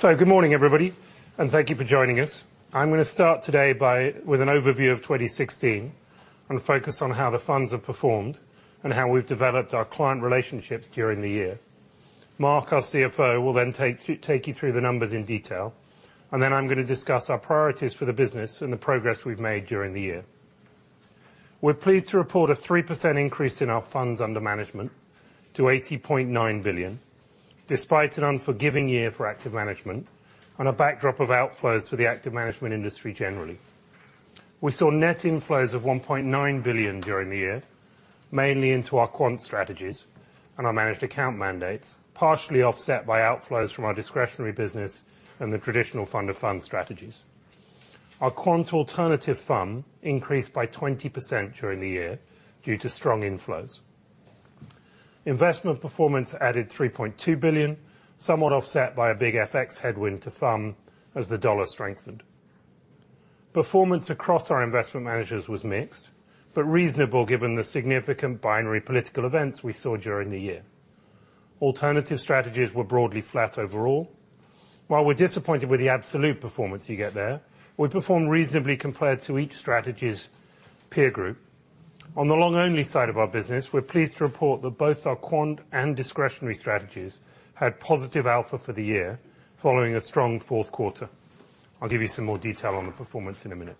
Good morning, everybody, and thank you for joining us. I'm going to start today with an overview of 2016. I'm going to focus on how the funds have performed and how we've developed our client relationships during the year. Mark, our CFO, will take you through the numbers in detail, I'm going to discuss our priorities for the business and the progress we've made during the year. We're pleased to report a 3% increase in our funds under management to $80.9 billion, despite an unforgiving year for active management, on a backdrop of outflows for the active management industry generally. We saw net inflows of 1.9 billion during the year, mainly into our quant strategies and our managed account mandates, partially offset by outflows from our discretionary business and the traditional fund of fund strategies. Our quant alternative fund increased by 20% during the year due to strong inflows. Investment performance added $3.2 billion, somewhat offset by a big FX headwind to FUM as the U.S. dollar strengthened. Performance across our investment managers was mixed, but reasonable given the significant binary political events we saw during the year. Alternative strategies were broadly flat overall. While we're disappointed with the absolute performance you get there, we performed reasonably compared to each strategy's peer group. On the long only side of our business, we're pleased to report that both our quant and discretionary strategies had positive alpha for the year, following a strong fourth quarter. I'll give you some more detail on the performance in a minute.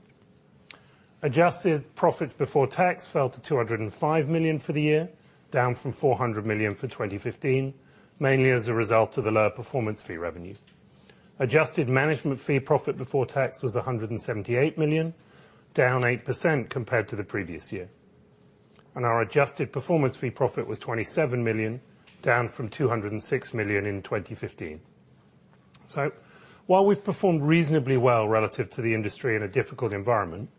Adjusted profits before tax fell to $205 million for the year, down from 400 million for 2015, mainly as a result of the lower performance fee revenue. Adjusted management fee profit before tax was $178 million, down 8% compared to the previous year. Our adjusted performance fee profit was 27 million, down from 206 million in 2015. While we've performed reasonably well relative to the industry in a difficult environment,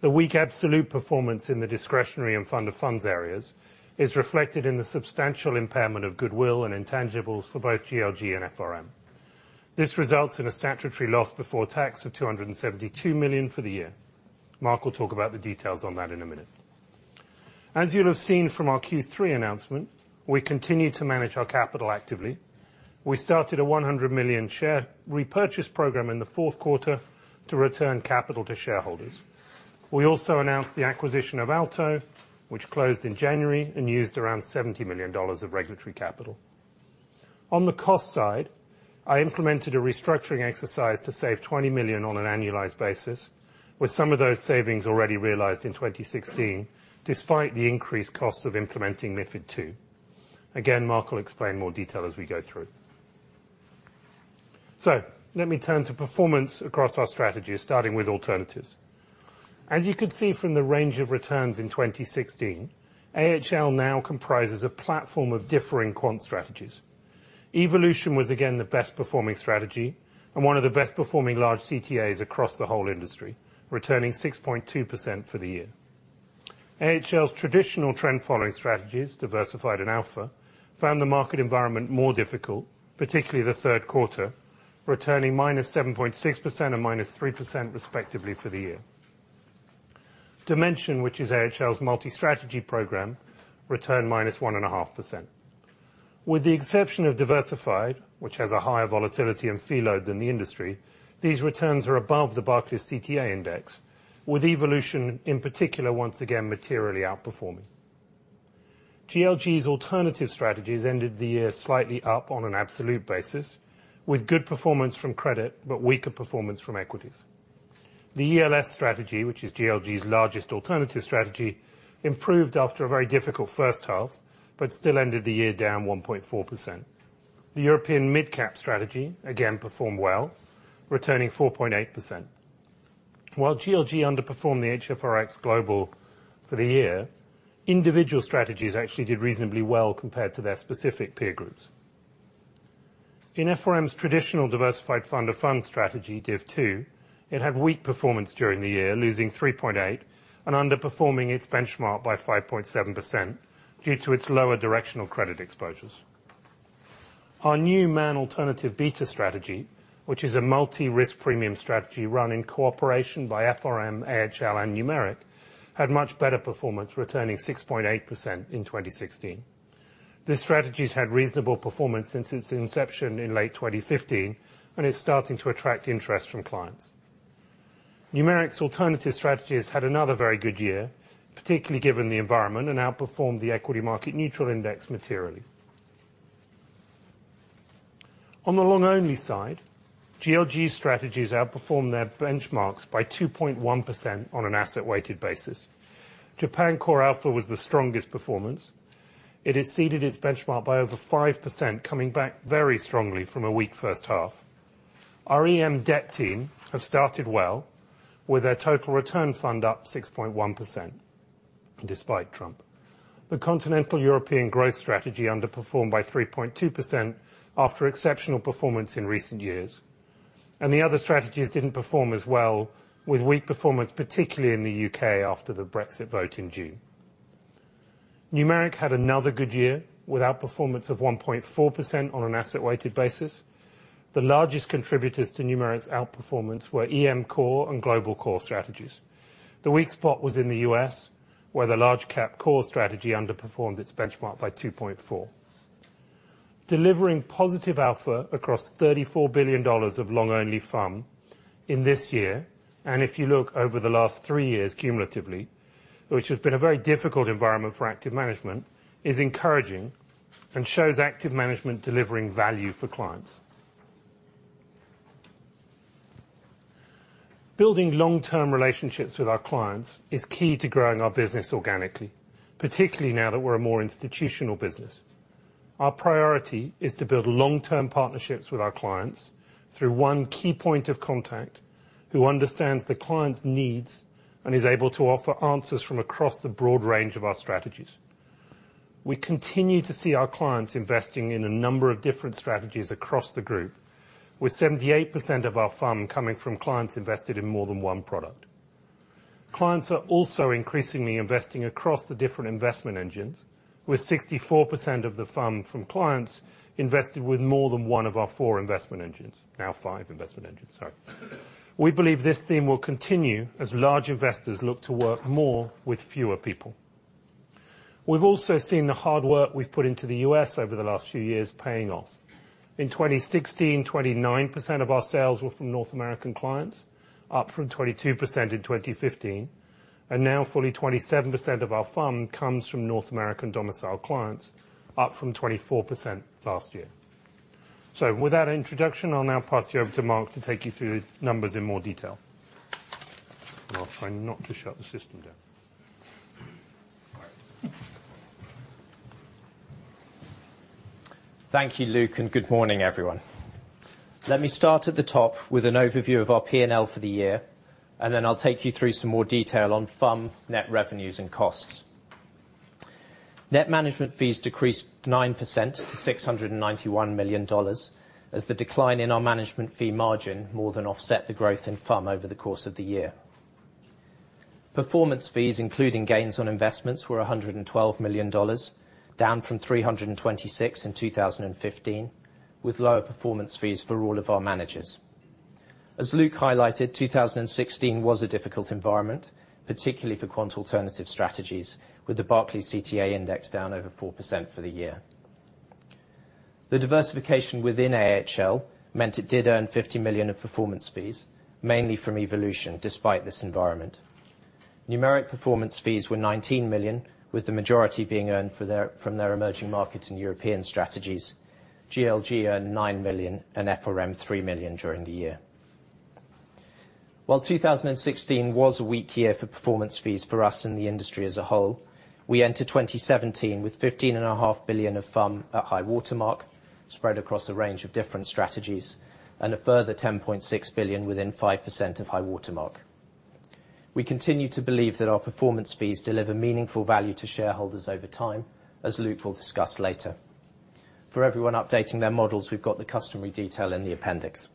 the weak absolute performance in the discretionary and fund of funds areas is reflected in the substantial impairment of goodwill and intangibles for both GLG and FRM. This results in a statutory loss before tax of $272 million for the year. Mark will talk about the details on that in a minute. As you'll have seen from our Q3 announcement, we continue to manage our capital actively. We started a 100 million share repurchase program in the fourth quarter to return capital to shareholders. We also announced the acquisition of Aalto, which closed in January and used around GBP 70 million of regulatory capital. On the cost side, I implemented a restructuring exercise to save 20 million on an annualized basis, with some of those savings already realized in 2016, despite the increased costs of implementing MiFID II. Again, Mark will explain more detail as we go through. Let me turn to performance across our strategies, starting with alternatives. As you could see from the range of returns in 2016, AHL now comprises a platform of differing quant strategies. AHL Evolution was again the best performing strategy and one of the best performing large CTAs across the whole industry, returning 6.2% for the year. AHL's traditional trend following strategies, AHL Diversified and AHL Alpha, found the market environment more difficult, particularly the third quarter, returning -7.6% and -3%, respectively, for the year. Dimension, which is AHL's multi-strategy program, returned -1.5%. With the exception of AHL Diversified, which has a higher volatility in fee load than the industry, these returns are above the Barclays CTA Index, with AHL Evolution in particular, once again, materially outperforming. Man GLG's alternative strategies ended the year slightly up on an absolute basis, with good performance from credit, but weaker performance from equities. The ELS strategy, which is Man GLG's largest alternative strategy, improved after a very difficult first half, but still ended the year down 1.4%. The European Mid-Cap strategy, again, performed well, returning 4.8%. While Man GLG underperformed the HFRX Global for the year, individual strategies actually did reasonably well compared to their specific peer groups. In Man FRM's traditional diversified fund of funds strategy, Diversified II, it had weak performance during the year, losing 3.8% and underperforming its benchmark by 5.7% due to its lower directional credit exposures. Our new Man Alternative Beta strategy, which is a multi-risk premium strategy run in cooperation by FRM, AHL, and Numeric, had much better performance, returning 6.8% in 2016. This strategy's had reasonable performance since its inception in late 2015, and it's starting to attract interest from clients. Numeric's alternative strategies had another very good year, particularly given the environment, and outperformed the equity market neutral index materially. On the long only side, Man GLG strategies outperformed their benchmarks by 2.1% on an asset-weighted basis. Japan CoreAlpha was the strongest performance. It has exceeded its benchmark by over 5%, coming back very strongly from a weak first half. Our EM Debt team have started well with their total return fund up 6.1%, despite Trump. The Continental European Growth strategy underperformed by 3.2% after exceptional performance in recent years. The other strategies didn't perform as well, with weak performance, particularly in the U.K. after the Brexit vote in June. Numeric had another good year with outperformance of 1.4% on an asset-weighted basis. The largest contributors to Numeric's outperformance were Emerging Markets Core and Numeric Global Core strategies. The weak spot was in the U.S. Where the US Large Cap Core strategy underperformed its benchmark by 2.4%. Delivering positive alpha across GBP 34 billion of long-only FUM in this year, and if you look over the last three years cumulatively, which has been a very difficult environment for active management, is encouraging and shows active management delivering value for clients. Building long-term relationships with our clients is key to growing our business organically, particularly now that we're a more institutional business. Our priority is to build long-term partnerships with our clients through one key point of contact, who understands the client's needs and is able to offer answers from across the broad range of our strategies. We continue to see our clients investing in a number of different strategies across the group, with 78% of our FUM coming from clients invested in more than one product. Clients are also increasingly investing across the different investment engines, with 64% of the FUM from clients invested with more than one of our four investment engines, now five investment engines, sorry. We believe this theme will continue as large investors look to work more with fewer people. We've also seen the hard work we've put into the U.S. over the last few years paying off. In 2016, 29% of our sales were from North American clients, up from 22% in 2015, and now fully 27% of our FUM comes from North American domiciled clients, up from 24% last year. With that introduction, I'll now pass you over to Mark to take you through the numbers in more detail. I'll try not to shut the system down. Thank you, Luke, and good morning, everyone. Let me start at the top with an overview of our P&L for the year. I'll take you through some more detail on FOM, net revenues, and costs. Net management fees decreased 9% to $691 million, as the decline in our management fee margin more than offset the growth in FOM over the course of the year. Performance fees, including gains on investments, were $112 million, down from $326 in 2015, with lower performance fees for all of our managers. As Luke highlighted, 2016 was a difficult environment, particularly for quant alternative strategies, with the Barclay CTA Index down over 4% for the year. The diversification within AHL meant it did earn $50 million of performance fees, mainly from Evolution, despite this environment. Numeric performance fees were $19 million, with the majority being earned from their emerging markets and European strategies. GLG earned $9 million and FRM $3 million during the year. While 2016 was a weak year for performance fees for us and the industry as a whole, we enter 2017 with $15.5 billion of FOM at high-water mark, spread across a range of different strategies, and a further $10.6 billion within 5% of high-water mark. We continue to believe that our performance fees deliver meaningful value to shareholders over time, as Luke will discuss later. For everyone updating their models, we've got the customary detail in the appendix.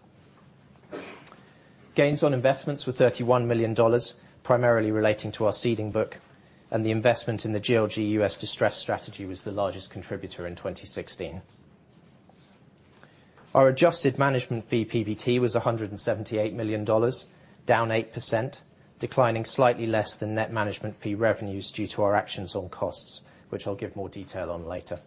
Gains on investments were $31 million, primarily relating to our seeding book, and the investment in the GLG US distress strategy was the largest contributor in 2016. Our adjusted management fee PBT was $178 million, down 8%, declining slightly less than net management fee revenues due to our actions on costs, which I'll give more detail on later.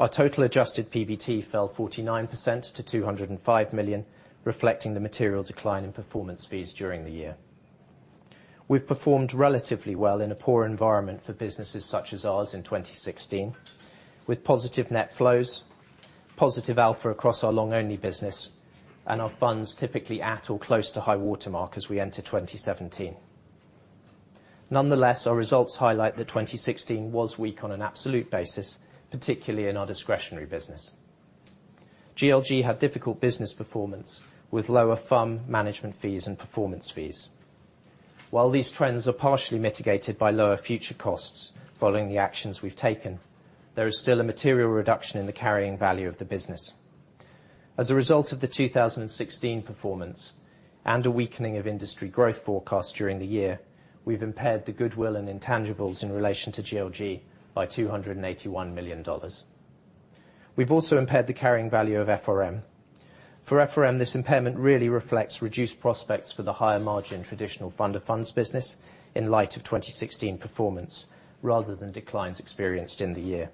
Our total adjusted PBT fell 49% to $205 million, reflecting the material decline in performance fees during the year. We've performed relatively well in a poor environment for businesses such as ours in 2016, with positive net flows, positive alpha across our long-only business, and our funds typically at or close to high-water mark as we enter 2017. Nonetheless, our results highlight that 2016 was weak on an absolute basis, particularly in our discretionary business. GLG had difficult business performance, with lower FOM management fees and performance fees. While these trends are partially mitigated by lower future costs following the actions we've taken, there is still a material reduction in the carrying value of the business. As a result of the 2016 performance and a weakening of industry growth forecasts during the year, we've impaired the goodwill and intangibles in relation to GLG by $281 million. We've also impaired the carrying value of FRM. For FRM, this impairment really reflects reduced prospects for the higher margin traditional fund of funds business in light of 2016 performance rather than declines experienced in the year.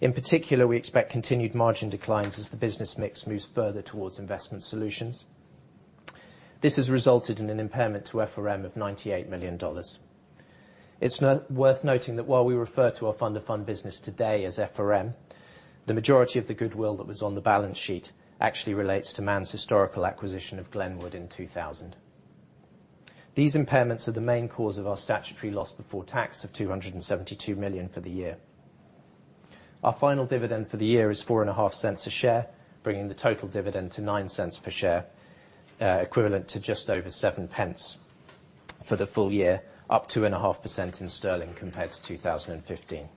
In particular, we expect continued margin declines as the business mix moves further towards investment solutions. This has resulted in an impairment to FRM of $98 million. It's worth noting that while we refer to our fund of fund business today as FRM, the majority of the goodwill that was on the balance sheet actually relates to Man's historical acquisition of Glenwood in 2000. These impairments are the main cause of our statutory loss before tax of $272 million for the year. Our final dividend for the year is $0.045 a share, bringing the total dividend to $0.09 per share, equivalent to just over 0.07 for the full year, up 2.5% in sterling compared to 2015.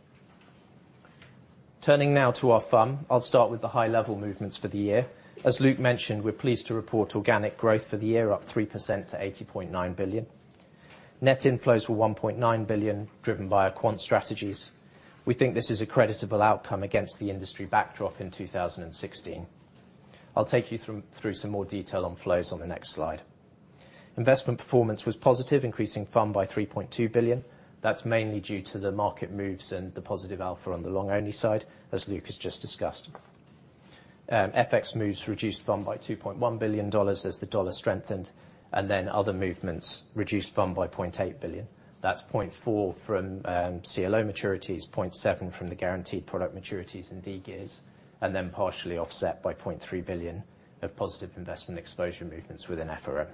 Turning now to our FOM, I'll start with the high level movements for the year. As Luke mentioned, we're pleased to report organic growth for the year up 3% to $80.9 billion. Net inflows were $1.9 billion, driven by our quant strategies. We think this is a creditable outcome against the industry backdrop in 2016. I'll take you through some more detail on flows on the next slide. Investment performance was positive, increasing FOM by $3.2 billion. That's mainly due to the market moves and the positive alpha on the long-only side, as Luke has just discussed. FX moves reduced FOM by $2.1 billion as the dollar strengthened. Other movements reduced FOM by $0.8 billion. That's $0.4 billion from CLO maturities, $0.7 billion from the guaranteed product maturities and de-gears, and partially offset by $0.3 billion of positive investment exposure movements within FOM.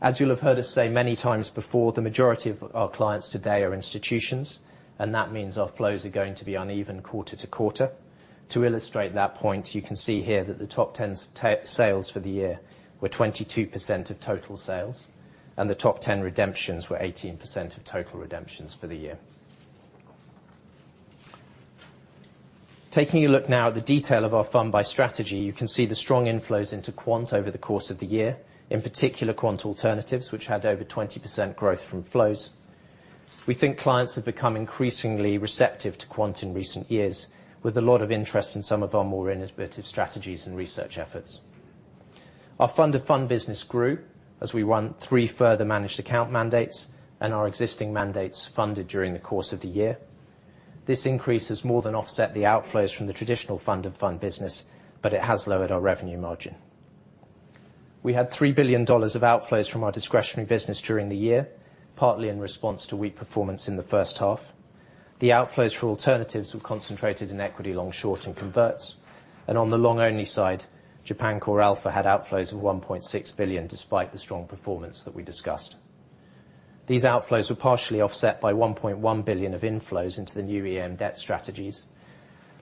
As you'll have heard us say many times before, the majority of our clients today are institutions, and that means our flows are going to be uneven quarter-to-quarter. To illustrate that point, you can see here that the top 10 sales for the year were 22% of total sales, and the top 10 redemptions were 18% of total redemptions for the year. Taking a look now at the detail of our FOM by strategy, you can see the strong inflows into quant over the course of the year, in particular quant alternatives, which had over 20% growth from flows. We think clients have become increasingly receptive to quant in recent years, with a lot of interest in some of our more innovative strategies and research efforts. Our fund of fund business grew as we won three further managed account mandates and our existing mandates funded during the course of the year. This increase has more than offset the outflows from the traditional fund of fund business, but it has lowered our revenue margin. We had $3 billion of outflows from our discretionary business during the year, partly in response to weak performance in the first half. The outflows for alternatives were concentrated in equity long short and converts. On the long-only side, Japan CoreAlpha had outflows of $1.6 billion despite the strong performance that we discussed. These outflows were partially offset by $1.1 billion of inflows into the new EM Debt strategies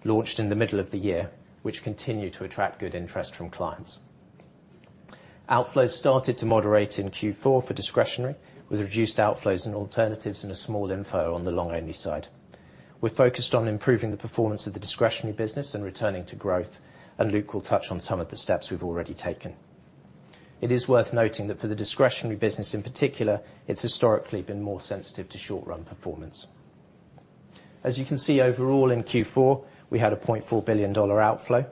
launched in the middle of the year, which continue to attract good interest from clients. Outflows started to moderate in Q4 for discretionary, with reduced outflows in alternatives and a small inflow on the long-only side. We're focused on improving the performance of the discretionary business and returning to growth, and Luke will touch on some of the steps we've already taken. It is worth noting that for the discretionary business in particular, it's historically been more sensitive to short-run performance. As you can see overall in Q4, we had a $0.4 billion outflow.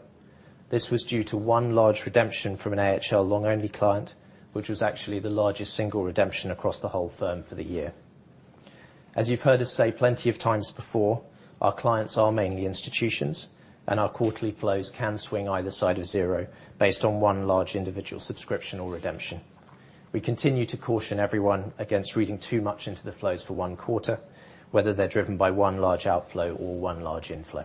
This was due to one large redemption from an AHL long-only client, which was actually the largest single redemption across the whole firm for the year. As you've heard us say plenty of times before, our clients are mainly institutions. Our quarterly flows can swing either side of zero based on one large individual subscription or redemption. We continue to caution everyone against reading too much into the flows for one quarter, whether they're driven by one large outflow or one large inflow.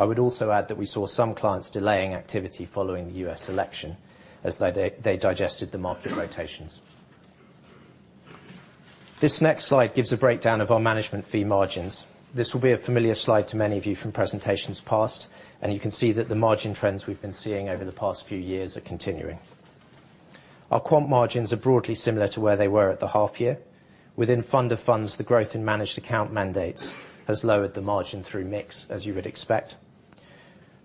I would also add that we saw some clients delaying activity following the U.S. election as they digested the market rotations. This next slide gives a breakdown of our management fee margins. This will be a familiar slide to many of you from presentations past. You can see that the margin trends we've been seeing over the past few years are continuing. Our quant margins are broadly similar to where they were at the half year. Within fund of funds, the growth in managed account mandates has lowered the margin through mix, as you would expect.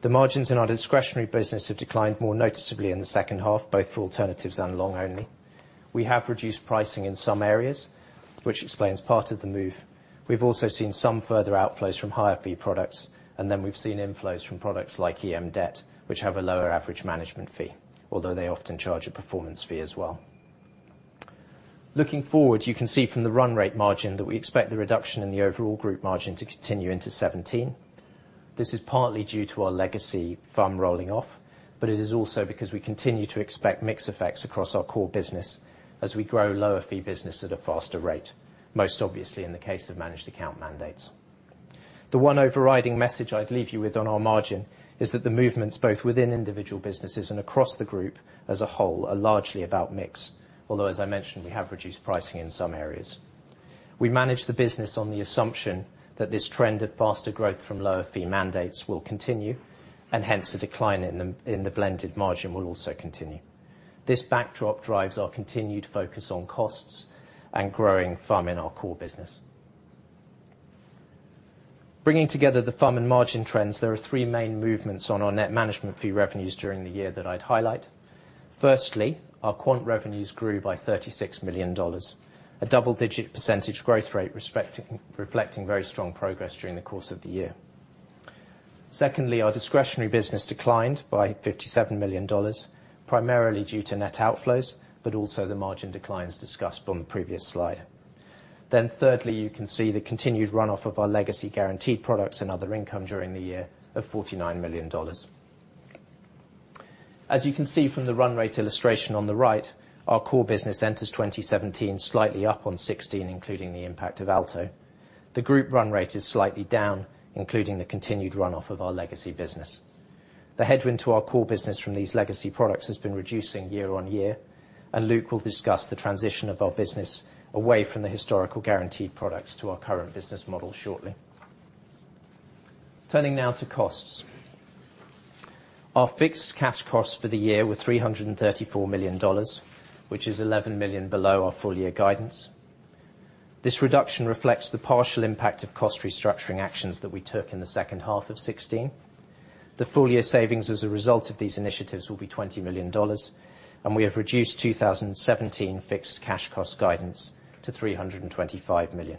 The margins in our discretionary business have declined more noticeably in the second half, both for alternatives and long-only. We have reduced pricing in some areas, which explains part of the move. We've also seen some further outflows from higher fee products. Then we've seen inflows from products like EM Debt, which have a lower average management fee, although they often charge a performance fee as well. Looking forward, you can see from the run rate margin that we expect the reduction in the overall group margin to continue into 2017. This is partly due to our legacy FUM rolling off. It is also because we continue to expect mix effects across our core business as we grow lower fee business at a faster rate, most obviously in the case of managed account mandates. The one overriding message I'd leave you with on our margin is that the movements both within individual businesses and across the group as a whole are largely about mix. Although as I mentioned, we have reduced pricing in some areas. We manage the business on the assumption that this trend of faster growth from lower fee mandates will continue. Hence a decline in the blended margin will also continue. This backdrop drives our continued focus on costs and growing FUM in our core business. Bringing together the FOM and margin trends, there are three main movements on our net management fee revenues during the year that I would highlight. Firstly, our quant revenues grew by GBP 36 million, a double-digit % growth rate reflecting very strong progress during the course of the year. Secondly, our discretionary business declined by GBP 57 million, primarily due to net outflows, but also the margin declines discussed on the previous slide. Thirdly, you can see the continued runoff of our legacy guaranteed products and other income during the year of GBP 49 million. As you can see from the run rate illustration on the right, our core business enters 2017 slightly up on 2016, including the impact of Aalto. The group run rate is slightly down, including the continued runoff of our legacy business. The headwind to our core business from these legacy products has been reducing year-on-year, and Luke will discuss the transition of our business away from the historical guaranteed products to our current business model shortly. Turning now to costs. Our fixed cash costs for the year were GBP 334 million, which is GBP 11 million below our full year guidance. This reduction reflects the partial impact of cost restructuring actions that we took in the second half of 2016. The full year savings as a result of these initiatives will be GBP 20 million, and we have reduced 2017 fixed cash cost guidance to 325 million.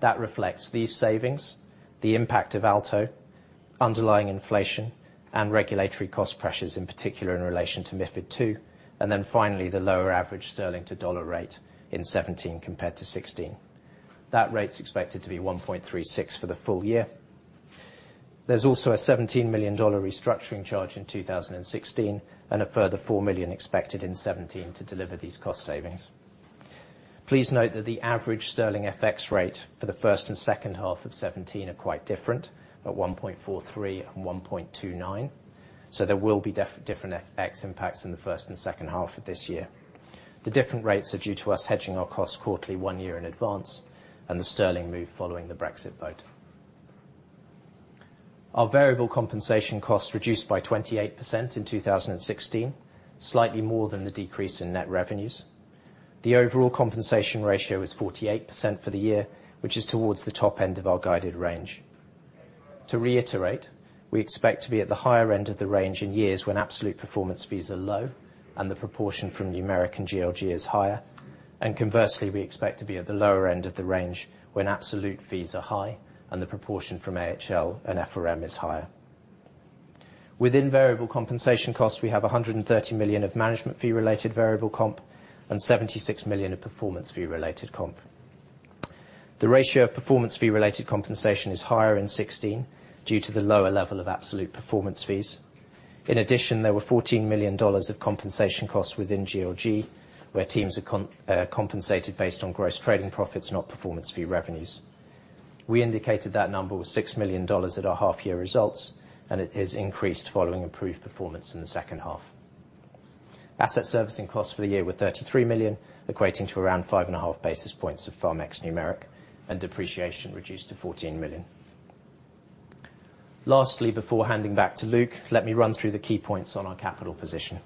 That reflects these savings, the impact of Aalto, underlying inflation, and regulatory cost pressures, in particular in relation to MiFID II, and finally, the lower average sterling to dollar rate in 2017 compared to 2016. That rate is expected to be 1.36 for the full year. There is also a GBP 17 million restructuring charge in 2016, and a further 4 million expected in 2017 to deliver these cost savings. Please note that the average sterling FX rate for the first and second half of 2017 are quite different, at 1.43 and 1.29, so there will be different FX impacts in the first and second half of this year. The different rates are due to us hedging our costs quarterly one year in advance, and the sterling move following the Brexit vote. Our variable compensation costs reduced by 28% in 2016, slightly more than the decrease in net revenues. The overall compensation ratio is 48% for the year, which is towards the top end of our guided range. To reiterate, we expect to be at the higher end of the range in years when absolute performance fees are low and the proportion from Numeric and GLG is higher. Conversely, we expect to be at the lower end of the range when absolute fees are high and the proportion from AHL and FRM is higher. Within variable compensation costs, we have 130 million of management fee-related variable comp, and 76 million of performance fee-related comp. The ratio of performance fee-related compensation is higher in 2016 due to the lower level of absolute performance fees. There were GBP 14 million of compensation costs within GLG, where teams are compensated based on gross trading profits, not performance fee revenues. We indicated that number was GBP 6 million at our half year results, and it has increased following improved performance in the second half. Asset servicing costs for the year were 33 million, equating to around 5.5 basis points of FUM ex-Numeric. Depreciation reduced to 14 million. Lastly, before handing back to Luke, let me run through the key points on our capital position.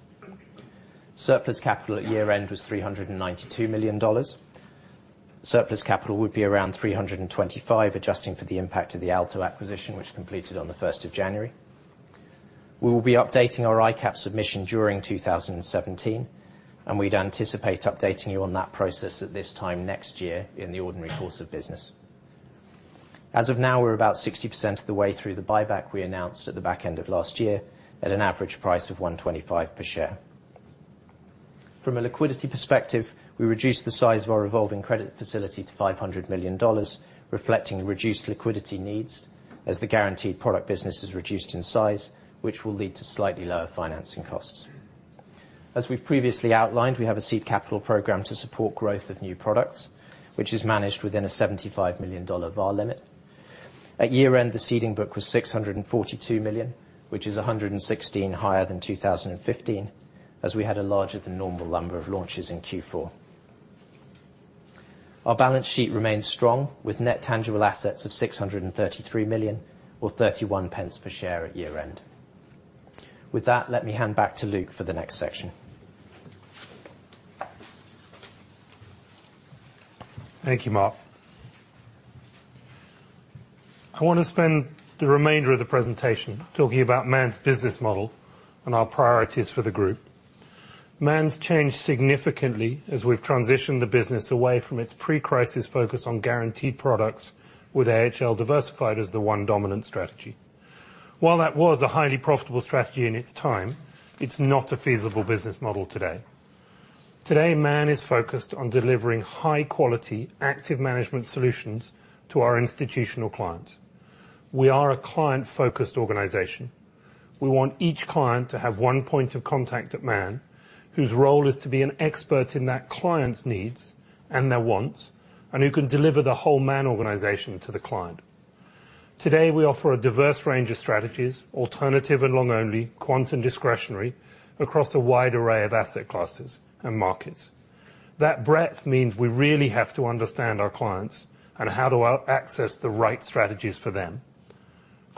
Surplus capital at year-end was GBP 392 million. Surplus capital would be around 325 million, adjusting for the impact of the Aalto acquisition, which completed on the 1st of January. We will be updating our ICAP submission during 2017. We'd anticipate updating you on that process at this time next year in the ordinary course of business. We're about 60% of the way through the buyback we announced at the back end of last year, at an average price of 1.25 per share. From a liquidity perspective, we reduced the size of our revolving credit facility to GBP 500 million, reflecting reduced liquidity needs as the guaranteed product business is reduced in size, which will lead to slightly lower financing costs. As we've previously outlined, we have a seed capital program to support growth of new products, which is managed within a GBP 75 million VaR limit. At year-end, the seeding book was 642 million, which is 116 million higher than 2015, as we had a larger than normal number of launches in Q4. Our balance sheet remains strong, with net tangible assets of 633 million or 0.31 per share at year-end. With that, let me hand back to Luke for the next section. Thank you, Mark. I want to spend the remainder of the presentation talking about Man's business model and our priorities for the group. Man's changed significantly as we've transitioned the business away from its pre-crisis focus on guaranteed products, with AHL Diversified as the one dominant strategy. While that was a highly profitable strategy in its time, it's not a feasible business model today. Today, Man is focused on delivering high-quality active management solutions to our institutional clients. We are a client-focused organization. We want each client to have one point of contact at Man, whose role is to be an expert in that client's needs and their wants, and who can deliver the whole Man organization to the client. Today, we offer a diverse range of strategies, alternative and long-only, quant and discretionary, across a wide array of asset classes and markets. That breadth means we really have to understand our clients and how to access the right strategies for them.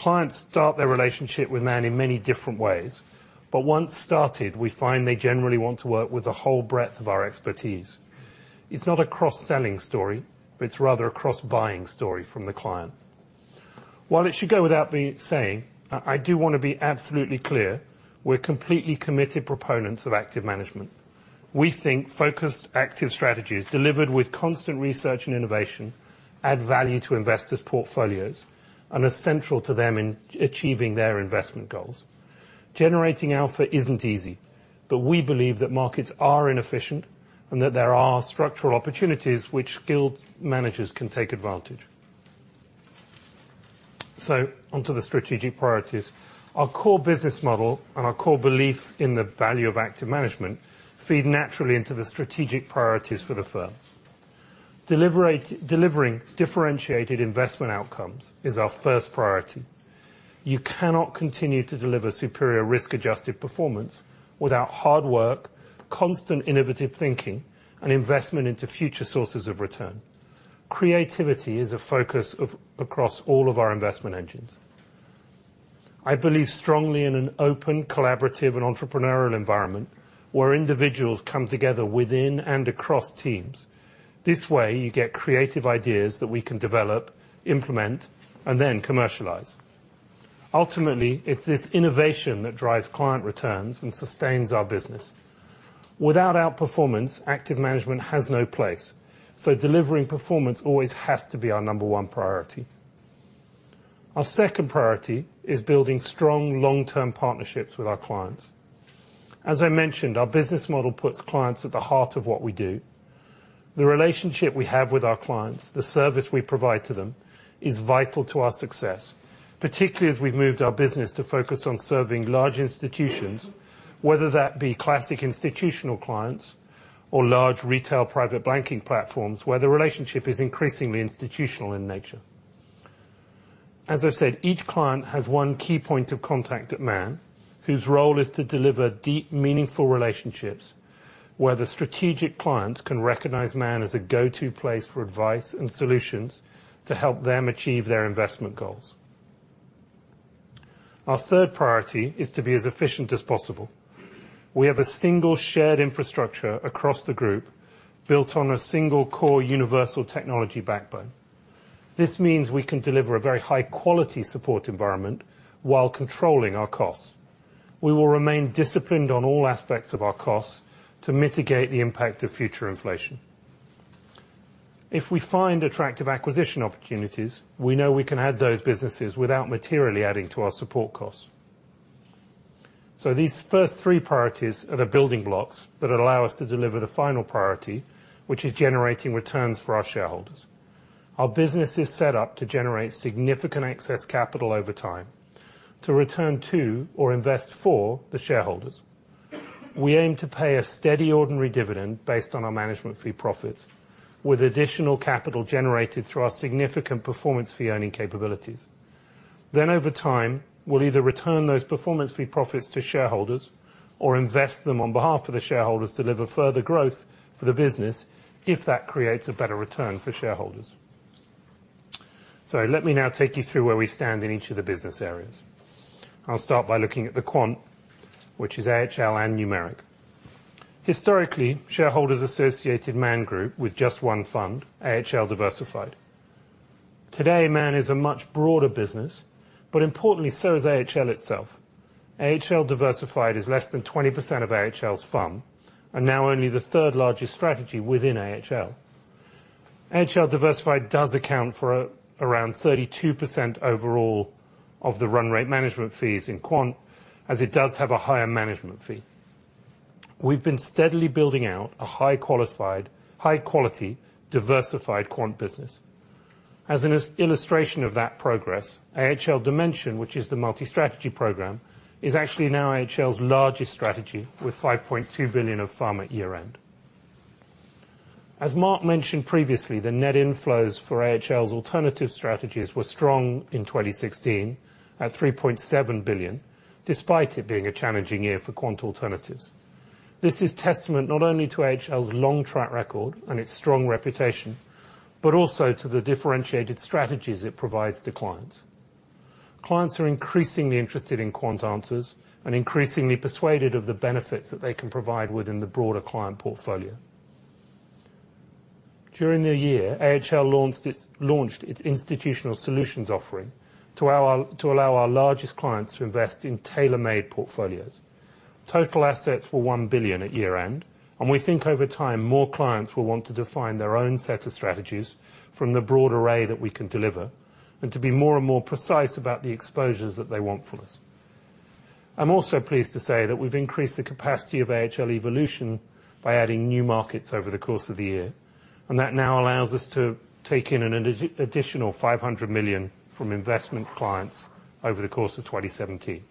Clients start their relationship with Man in many different ways, but once started, we find they generally want to work with the whole breadth of our expertise. It's not a cross-selling story, but it's rather a cross-buying story from the client. While it should go without me saying, I do want to be absolutely clear, we're completely committed proponents of active management. We think focused active strategies delivered with constant research and innovation add value to investors' portfolios and are central to them in achieving their investment goals. Generating alpha isn't easy, but we believe that markets are inefficient and that there are structural opportunities which skilled managers can take advantage. On to the strategic priorities. Our core business model and our core belief in the value of active management feed naturally into the strategic priorities for the firm. Delivering differentiated investment outcomes is our first priority. You cannot continue to deliver superior risk-adjusted performance without hard work, constant innovative thinking, and investment into future sources of return. Creativity is a focus across all of our investment engines. I believe strongly in an open, collaborative, and entrepreneurial environment where individuals come together within and across teams. This way, you get creative ideas that we can develop, implement, and then commercialize. Ultimately, it's this innovation that drives client returns and sustains our business. Without outperformance, active management has no place. Delivering performance always has to be our number one priority. Our second priority is building strong long-term partnerships with our clients. As I mentioned, our business model puts clients at the heart of what we do. The relationship we have with our clients, the service we provide to them, is vital to our success, particularly as we've moved our business to focus on serving large institutions, whether that be classic institutional clients or large retail private banking platforms, where the relationship is increasingly institutional in nature. As I've said, each client has one key point of contact at Man, whose role is to deliver deep, meaningful relationships where the strategic clients can recognize Man as a go-to place for advice and solutions to help them achieve their investment goals. Our third priority is to be as efficient as possible. We have a single shared infrastructure across the group, built on a single core universal technology backbone. This means we can deliver a very high quality support environment while controlling our costs. We will remain disciplined on all aspects of our costs to mitigate the impact of future inflation. If we find attractive acquisition opportunities, we know we can add those businesses without materially adding to our support costs. These first three priorities are the building blocks that allow us to deliver the final priority, which is generating returns for our shareholders. Our business is set up to generate significant excess capital over time to return to or invest for the shareholders. We aim to pay a steady ordinary dividend based on our management fee profits, with additional capital generated through our significant performance fee earning capabilities. Over time, we'll either return those performance fee profits to shareholders or invest them on behalf of the shareholders to deliver further growth for the business if that creates a better return for shareholders. Let me now take you through where we stand in each of the business areas. I'll start by looking at the quant, which is AHL and Numeric. Historically, shareholders associated Man Group with just one fund, AHL Diversified. Today, Man is a much broader business, but importantly, so is AHL itself. AHL Diversified is less than 20% of AHL's FUM, and now only the third largest strategy within AHL. AHL Diversified does account for around 32% overall of the run rate management fees in quant, as it does have a higher management fee. We've been steadily building out a high-quality diversified quant business. As an illustration of that progress, AHL Dimension, which is the multi-strategy program, is actually now AHL's largest strategy, with 5.2 billion of FUM at year-end. As Mark mentioned previously, the net inflows for AHL's alternative strategies were strong in 2016 at 3.7 billion, despite it being a challenging year for quant alternatives. This is testament not only to AHL's long track record and its strong reputation, but also to the differentiated strategies it provides to clients. Clients are increasingly interested in quant answers and increasingly persuaded of the benefits that they can provide within the broader client portfolio. During the year, AHL launched its Institutional Solutions offering to allow our largest clients to invest in tailor-made portfolios. Total assets were 1 billion at year-end, and we think over time, more clients will want to define their own set of strategies from the broad array that we can deliver, and to be more and more precise about the exposures that they want from us. I'm also pleased to say that we've increased the capacity of AHL Evolution by adding new markets over the course of the year. That now allows us to take in an additional 500 million from investment clients over the course of 2017.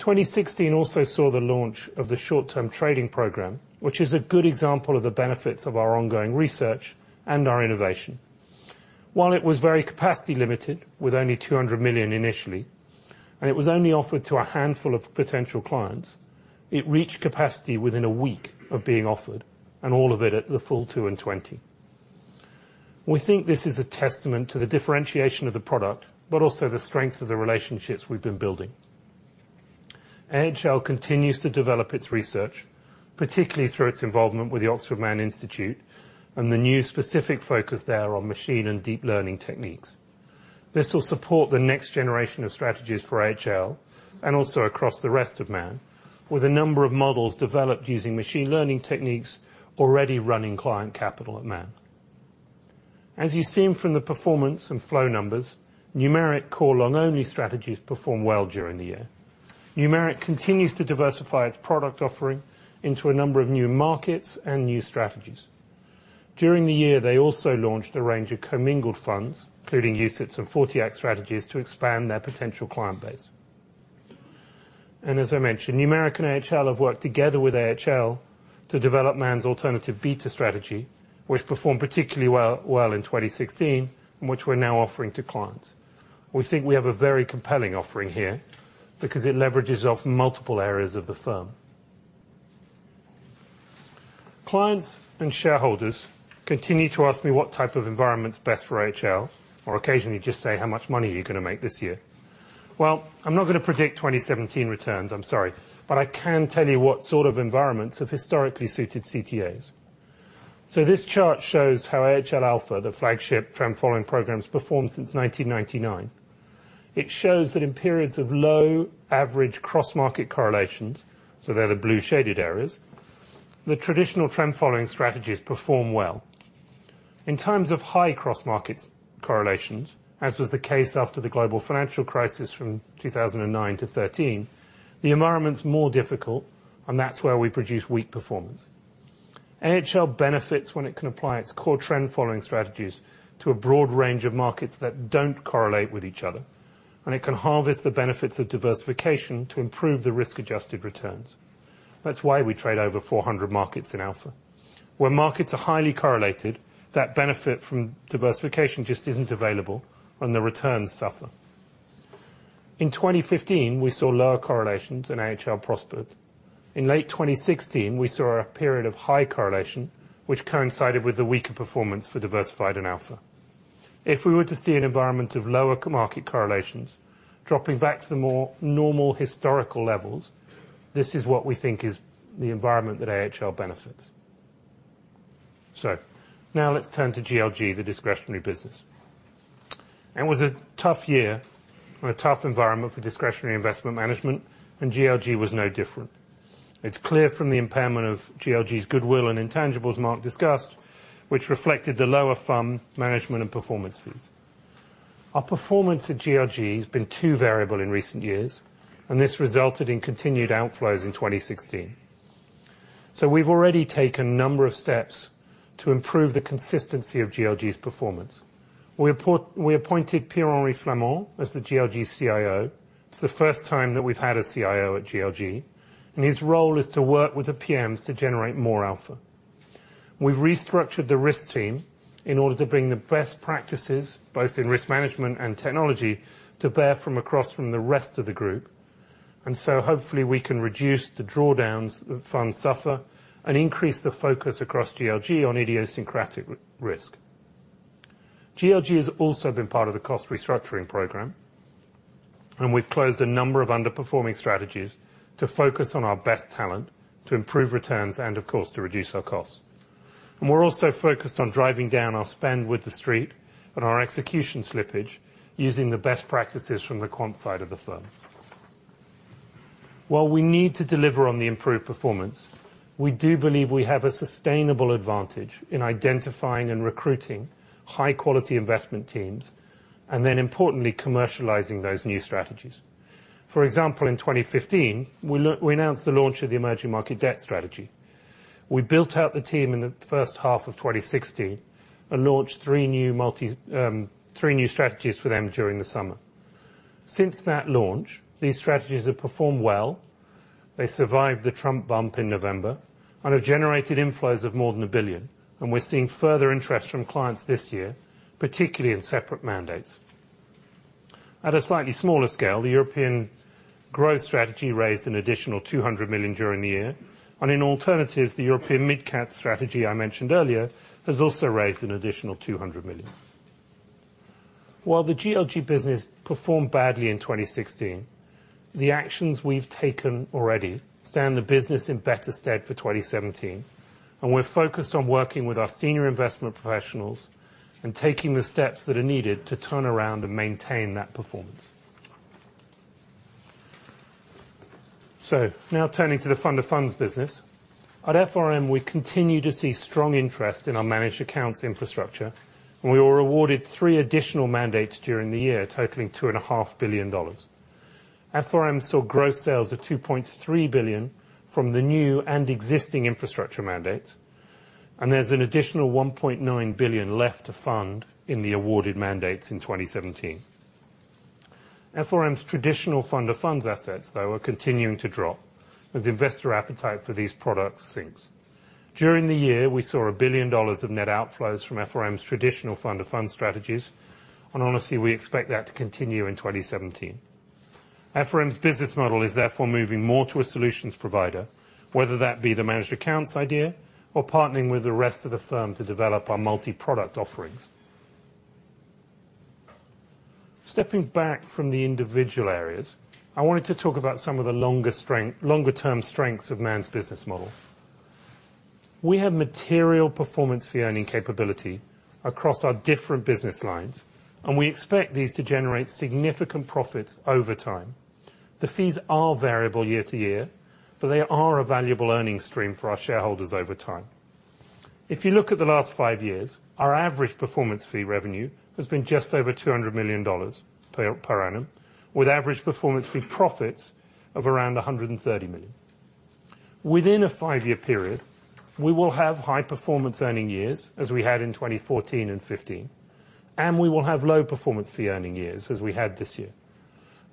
2016 also saw the launch of the short-term trading program, which is a good example of the benefits of our ongoing research and our innovation. While it was very capacity limited, with only 200 million initially, it was only offered to a handful of potential clients. It reached capacity within a week of being offered, and all of it at the full 2 and 20. We think this is a testament to the differentiation of the product, also the strength of the relationships we've been building. AHL continues to develop its research, particularly through its involvement with the Oxford Man Institute and the new specific focus there on machine and deep learning techniques. This will support the next generation of strategies for AHL and also across the rest of Man, with a number of models developed using machine learning techniques already running client capital at Man. As you've seen from the performance and flow numbers, Numeric core long only strategies performed well during the year. Numeric continues to diversify its product offering into a number of new markets and new strategies. During the year, they also launched a range of commingled funds, including UCITS and '40 Act strategies to expand their potential client base. As I mentioned, Numeric and AHL have worked together with AHL to develop Man's Alternative Beta strategy, which performed particularly well in 2016 and which we're now offering to clients. We think we have a very compelling offering here because it leverages off multiple areas of the firm. Clients and shareholders continue to ask me what type of environment's best for AHL, or occasionally just say, "How much money are you going to make this year?" I'm not going to predict 2017 returns, I'm sorry, I can tell you what sort of environments have historically suited CTAs. This chart shows how AHL Alpha, the flagship trend following programs, performed since 1999. It shows that in periods of low average cross-market correlations, they're the blue shaded areas, the traditional trend following strategies perform well. In times of high cross-market correlations, as was the case after the global financial crisis from 2009 to 2013, the environment's more difficult. That's where we produce weak performance. AHL benefits when it can apply its core trend following strategies to a broad range of markets that don't correlate with each other, and it can harvest the benefits of diversification to improve the risk-adjusted returns. That's why we trade over 400 markets in AHL Alpha. Where markets are highly correlated, that benefit from diversification just isn't available, and the returns suffer. In 2015, we saw lower correlations and AHL prospered. In late 2016, we saw a period of high correlation, which coincided with the weaker performance for AHL Diversified and AHL Alpha. If we were to see an environment of lower market correlations dropping back to the more normal historical levels, this is what we think is the environment that AHL benefits. Now let's turn to GLG, the discretionary business. It was a tough year and a tough environment for discretionary investment management, and GLG was no different. It's clear from the impairment of GLG's goodwill and intangibles Mark discussed, which reflected the lower fund management and performance fees. Our performance at GLG has been too variable in recent years, and this resulted in continued outflows in 2016. We've already taken a number of steps to improve the consistency of GLG's performance. We appointed Pierre-Henri Flamand as the GLG CIO. It's the first time that we've had a CIO at GLG, and his role is to work with the PMs to generate more alpha. We've restructured the risk team in order to bring the best practices, both in risk management and technology, to bear from across the rest of the group. Hopefully we can reduce the drawdowns that funds suffer and increase the focus across GLG on idiosyncratic risk. GLG has also been part of the cost restructuring program. We've closed a number of underperforming strategies to focus on our best talent to improve returns and, of course, to reduce our costs. We're also focused on driving down our spend with the Street and our execution slippage using the best practices from the quant side of the firm. While we need to deliver on the improved performance, we do believe we have a sustainable advantage in identifying and recruiting high-quality investment teams, and then importantly, commercializing those new strategies. For example, in 2015, we announced the launch of the EM Debt strategy. We built out the team in the first half of 2016 and launched three new strategies for them during the summer. Since that launch, these strategies have performed well. They survived the Trump bump in November and have generated inflows of more than $1 billion. We're seeing further interest from clients this year, particularly in separate mandates. At a slightly smaller scale, the European growth strategy raised an additional $200 million during the year. In alternatives, the European Mid-Cap strategy I mentioned earlier has also raised an additional $200 million. While the GLG business performed badly in 2016, the actions we've taken already stand the business in better stead for 2017. We're focused on working with our senior investment professionals and taking the steps that are needed to turn around and maintain that performance. Now turning to the Fund of Funds business. At FRM, we continue to see strong interest in our managed accounts infrastructure, and we were awarded three additional mandates during the year, totaling $2.5 billion. FOM saw gross sales of $2.3 billion from the new and existing infrastructure mandates. There's an additional $1.9 billion left to fund in the awarded mandates in 2017. FOM's traditional Fund of Funds assets, though, are continuing to drop as investor appetite for these products sinks. During the year, we saw $1 billion of net outflows from FOM's traditional Fund of Funds strategies. Honestly, we expect that to continue in 2017. FOM's business model is therefore moving more to a solutions provider, whether that be the managed accounts idea or partnering with the rest of the firm to develop our multi-product offerings. Stepping back from the individual areas, I wanted to talk about some of the longer-term strengths of Man's business model. We have material performance fee earning capability across our different business lines, and we expect these to generate significant profits over time. The fees are variable year to year. They are a valuable earning stream for our shareholders over time. If you look at the last five years, our average performance fee revenue has been just over $200 million per annum, with average performance fee profits of around $130 million. Within a five-year period, we will have high performance earning years, as we had in 2014 and 2015, and we will have low performance fee earning years, as we had this year.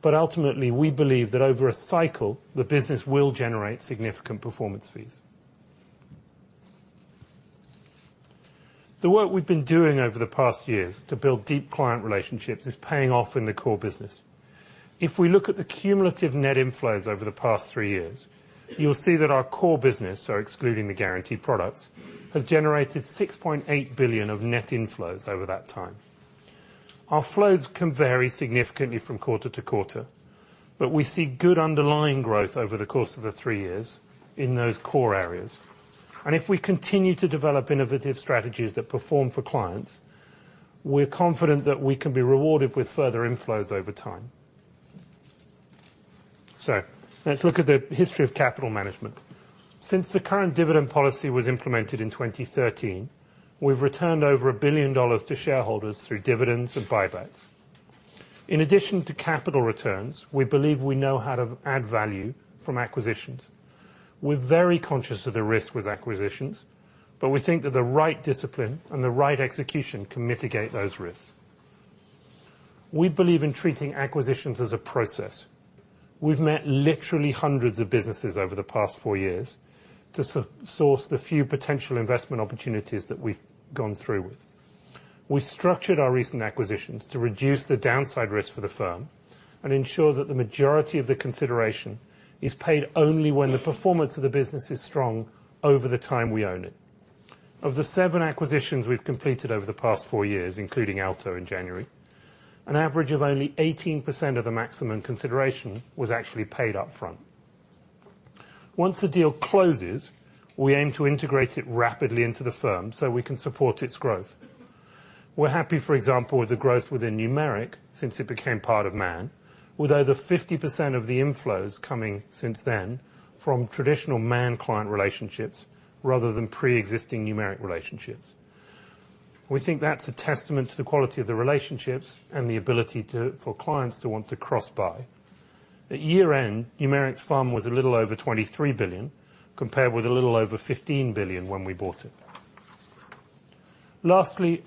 Ultimately, we believe that over a cycle, the business will generate significant performance fees. The work we've been doing over the past years to build deep client relationships is paying off in the core business. If we look at the cumulative net inflows over the past three years, you'll see that our core business, so excluding the guaranteed products, has generated $6.8 billion of net inflows over that time. Our flows can vary significantly from quarter to quarter, but we see good underlying growth over the course of the three years in those core areas. If we continue to develop innovative strategies that perform for clients, we're confident that we can be rewarded with further inflows over time. Let's look at the history of capital management. Since the current dividend policy was implemented in 2013, we've returned over $1 billion to shareholders through dividends and buybacks. In addition to capital returns, we believe we know how to add value from acquisitions. We're very conscious of the risks with acquisitions. We think that the right discipline and the right execution can mitigate those risks. We believe in treating acquisitions as a process. We've met literally hundreds of businesses over the past four years to source the few potential investment opportunities that we've gone through with. We structured our recent acquisitions to reduce the downside risk for the firm and ensure that the majority of the consideration is paid only when the performance of the business is strong over the time we own it. Of the seven acquisitions we've completed over the past four years, including Aalto in January, an average of only 18% of the maximum consideration was actually paid up front. Once a deal closes, we aim to integrate it rapidly into the firm so we can support its growth. We're happy, for example, with the growth within Numeric since it became part of Man, with over 50% of the inflows coming since then from traditional Man client relationships rather than pre-existing Numeric relationships. We think that's a testament to the quality of the relationships and the ability for clients to want to cross-buy. At year-end, Numeric's FUM was a little over 23 billion, compared with a little over 15 billion when we bought it.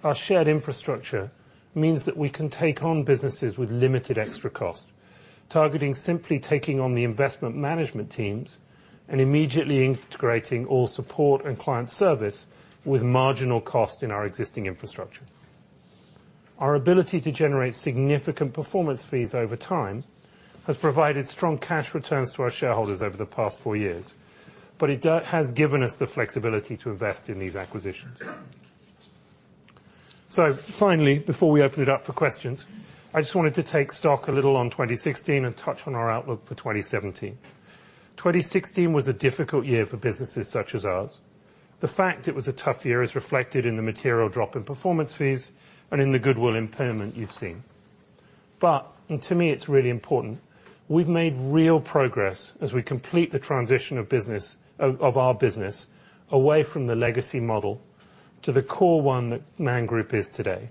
Our shared infrastructure means that we can take on businesses with limited extra cost, targeting simply taking on the investment management teams and immediately integrating all support and client service with marginal cost in our existing infrastructure. Our ability to generate significant performance fees over time has provided strong cash returns to our shareholders over the past four years. It has given us the flexibility to invest in these acquisitions. Finally, before we open it up for questions, I just wanted to take stock a little on 2016 and touch on our outlook for 2017. 2016 was a difficult year for businesses such as ours. The fact it was a tough year is reflected in the material drop in performance fees and in the goodwill impairment you've seen. To me, it's really important, we've made real progress as we complete the transition of our business away from the legacy model to the core one that Man Group is today.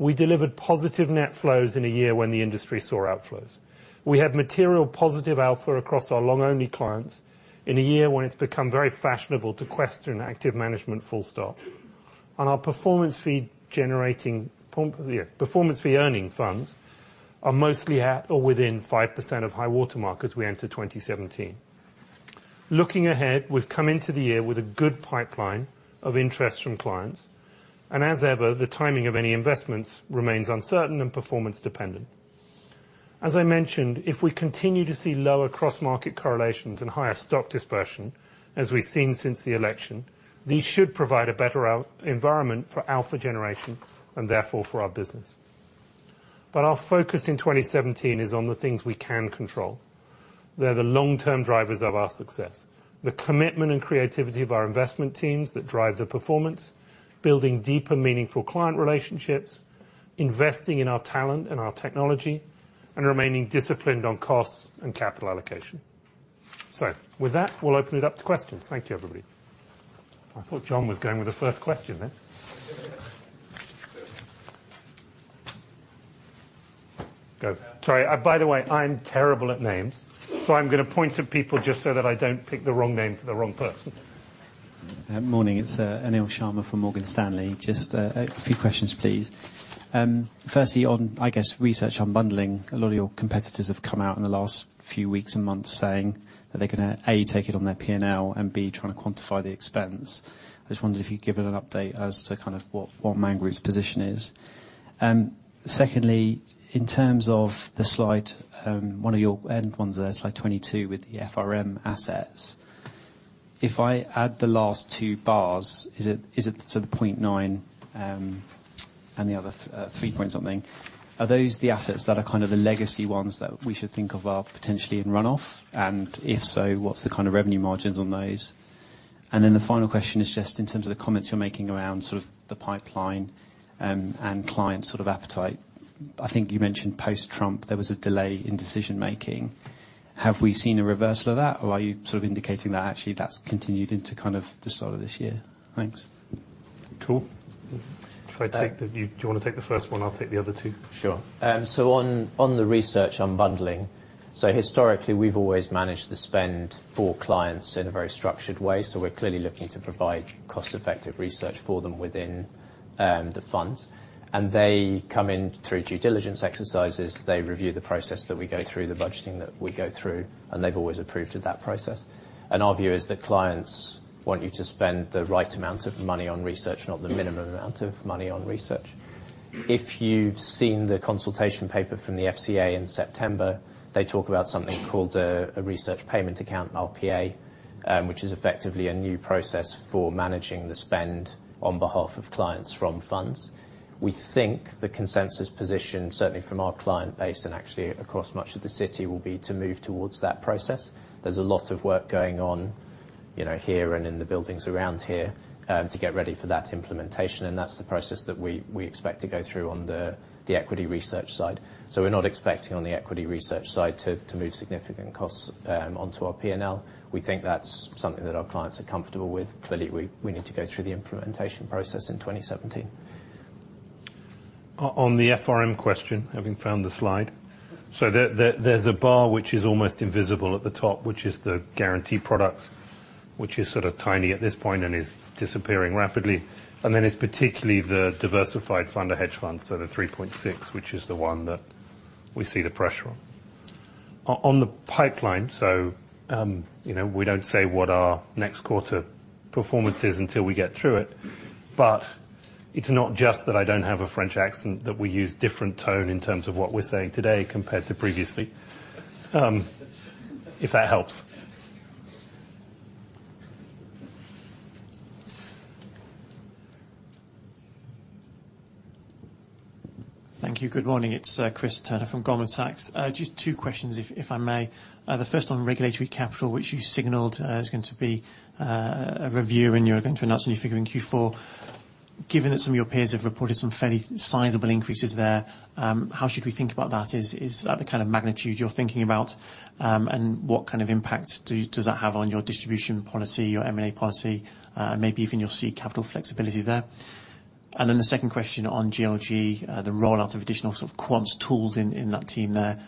We delivered positive net flows in a year when the industry saw outflows. We have material positive alpha across our long-only clients in a year when it's become very fashionable to question active management full stop. Our performance fee-earning funds are mostly at or within 5% of high-water mark as we enter 2017. Looking ahead, we've come into the year with a good pipeline of interest from clients. As ever, the timing of any investments remains uncertain and performance dependent. As I mentioned, if we continue to see lower cross-market correlations and higher stock dispersion, as we've seen since the election, these should provide a better environment for alpha generation, therefore, for our business. Our focus in 2017 is on the things we can control. They're the long-term drivers of our success, the commitment and creativity of our investment teams that drive the performance, building deeper, meaningful client relationships, investing in our talent and our technology, remaining disciplined on costs and capital allocation. With that, we'll open it up to questions. Thank you, everybody. I thought John was going with the first question then. Go. Sorry. By the way, I'm terrible at names. I'm going to point to people just so that I don't pick the wrong name for the wrong person. Morning. It's Anil Sharma from Morgan Stanley. Just a few questions, please. Firstly on research on bundling, a lot of your competitors have come out in the last few weeks and months saying that they're going to, A, take it on their P&L, and B, trying to quantify the expense. I just wondered if you'd give an update as to what Man Group's position is. Secondly, in terms of the slide, one of your end ones there, slide 22, with the FRM assets. If I add the last two bars, so the .9 and the other 3 point something, are those the assets that are the legacy ones that we should think of are potentially in runoff? And if so, what's the revenue margins on those? The final question is in terms of the comments you're making around the pipeline and client appetite. I think you mentioned post-Trump, there was a delay in decision making. Have we seen a reversal of that? Or are you indicating that that's continued into the start of this year? Thanks. Cool. Do you want to take the first one? I'll take the other two. Sure. On the research on bundling. Historically, we've always managed the spend for clients in a very structured way, so we're clearly looking to provide cost-effective research for them within the funds. They come in through due diligence exercises. They review the process that we go through, the budgeting that we go through, and they've always approved of that process. Our view is that clients want you to spend the right amount of money on research, not the minimum amount of money on research. If you've seen the consultation paper from the FCA in September, they talk about something called a research payment account, RPA, which is effectively a new process for managing the spend on behalf of clients from funds. We think the consensus position, certainly from our client base and across much of the city, will be to move towards that process. There's a lot of work going on here and in the buildings around here to get ready for that implementation. That's the process that we expect to go through on the equity research side. We're not expecting on the equity research side to move significant costs onto our P&L. We think that's something that our clients are comfortable with. Clearly, we need to go through the implementation process in 2017. On the FRM question, having found the slide. There's a bar which is almost invisible at the top, which is the guarantee products, which is sort of tiny at this point and is disappearing rapidly. Then it's particularly the diversified fund to hedge funds. The 3.6, which is the one that we see the pressure on. On the pipeline, we don't say what our next quarter performance is until we get through it. It's not just that I don't have a French accent, that we use different tone in terms of what we're saying today compared to previously. If that helps. Thank you. Good morning. It's Chris Turner from Goldman Sachs. Just two questions, if I may. The first on regulatory capital, which you signaled is going to be a review. You're going to announce a new figure in Q4. Given that some of your peers have reported some fairly sizable increases there, how should we think about that? Is that the kind of magnitude you're thinking about? What kind of impact does that have on your distribution policy, your M&A policy, maybe even your seed capital flexibility there? Then the second question on GLG, the rollout of additional sort of quants tools in that team there.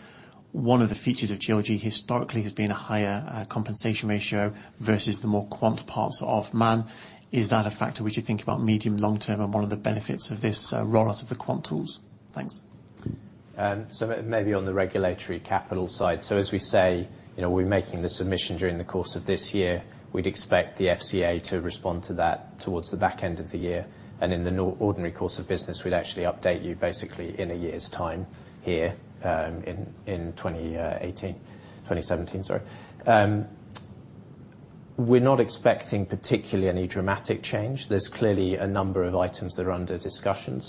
One of the features of GLG historically has been a higher compensation ratio versus the more quant parts of Man. Is that a factor we should think about medium, long-term, one of the benefits of this rollout of the quant tools? Thanks. Maybe on the regulatory capital side. As we say, we're making the submission during the course of this year. We'd expect the FCA to respond to that towards the back end of the year. In the ordinary course of business, we'd actually update you basically in a year's time here, in 2018. 2017, sorry. We're not expecting particularly any dramatic change. There's clearly a number of items that are under discussion.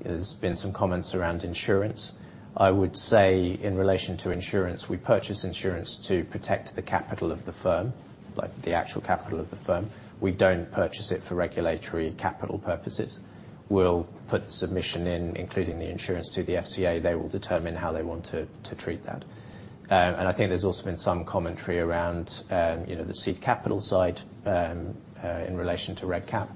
There's been some comments around insurance. I would say in relation to insurance, we purchase insurance to protect the capital of the firm. Like the actual capital of the firm. We don't purchase it for regulatory capital purposes. We'll put submission in, including the insurance to the FCA. They will determine how they want to treat that. I think there's also been some commentary around the seed capital side in relation to reg cap.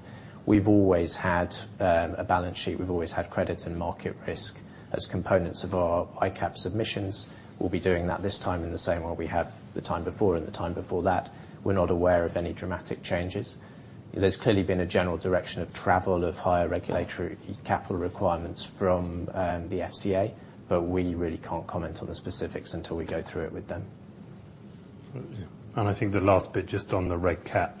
We've always had a balance sheet. We've always had credit and market risk as components of our ICAP submissions. We'll be doing that this time in the same way we have the time before and the time before that. We're not aware of any dramatic changes. There's clearly been a general direction of travel of higher regulatory capital requirements from the FCA, but we really can't comment on the specifics until we go through it with them. I think the last bit just on the reg cap.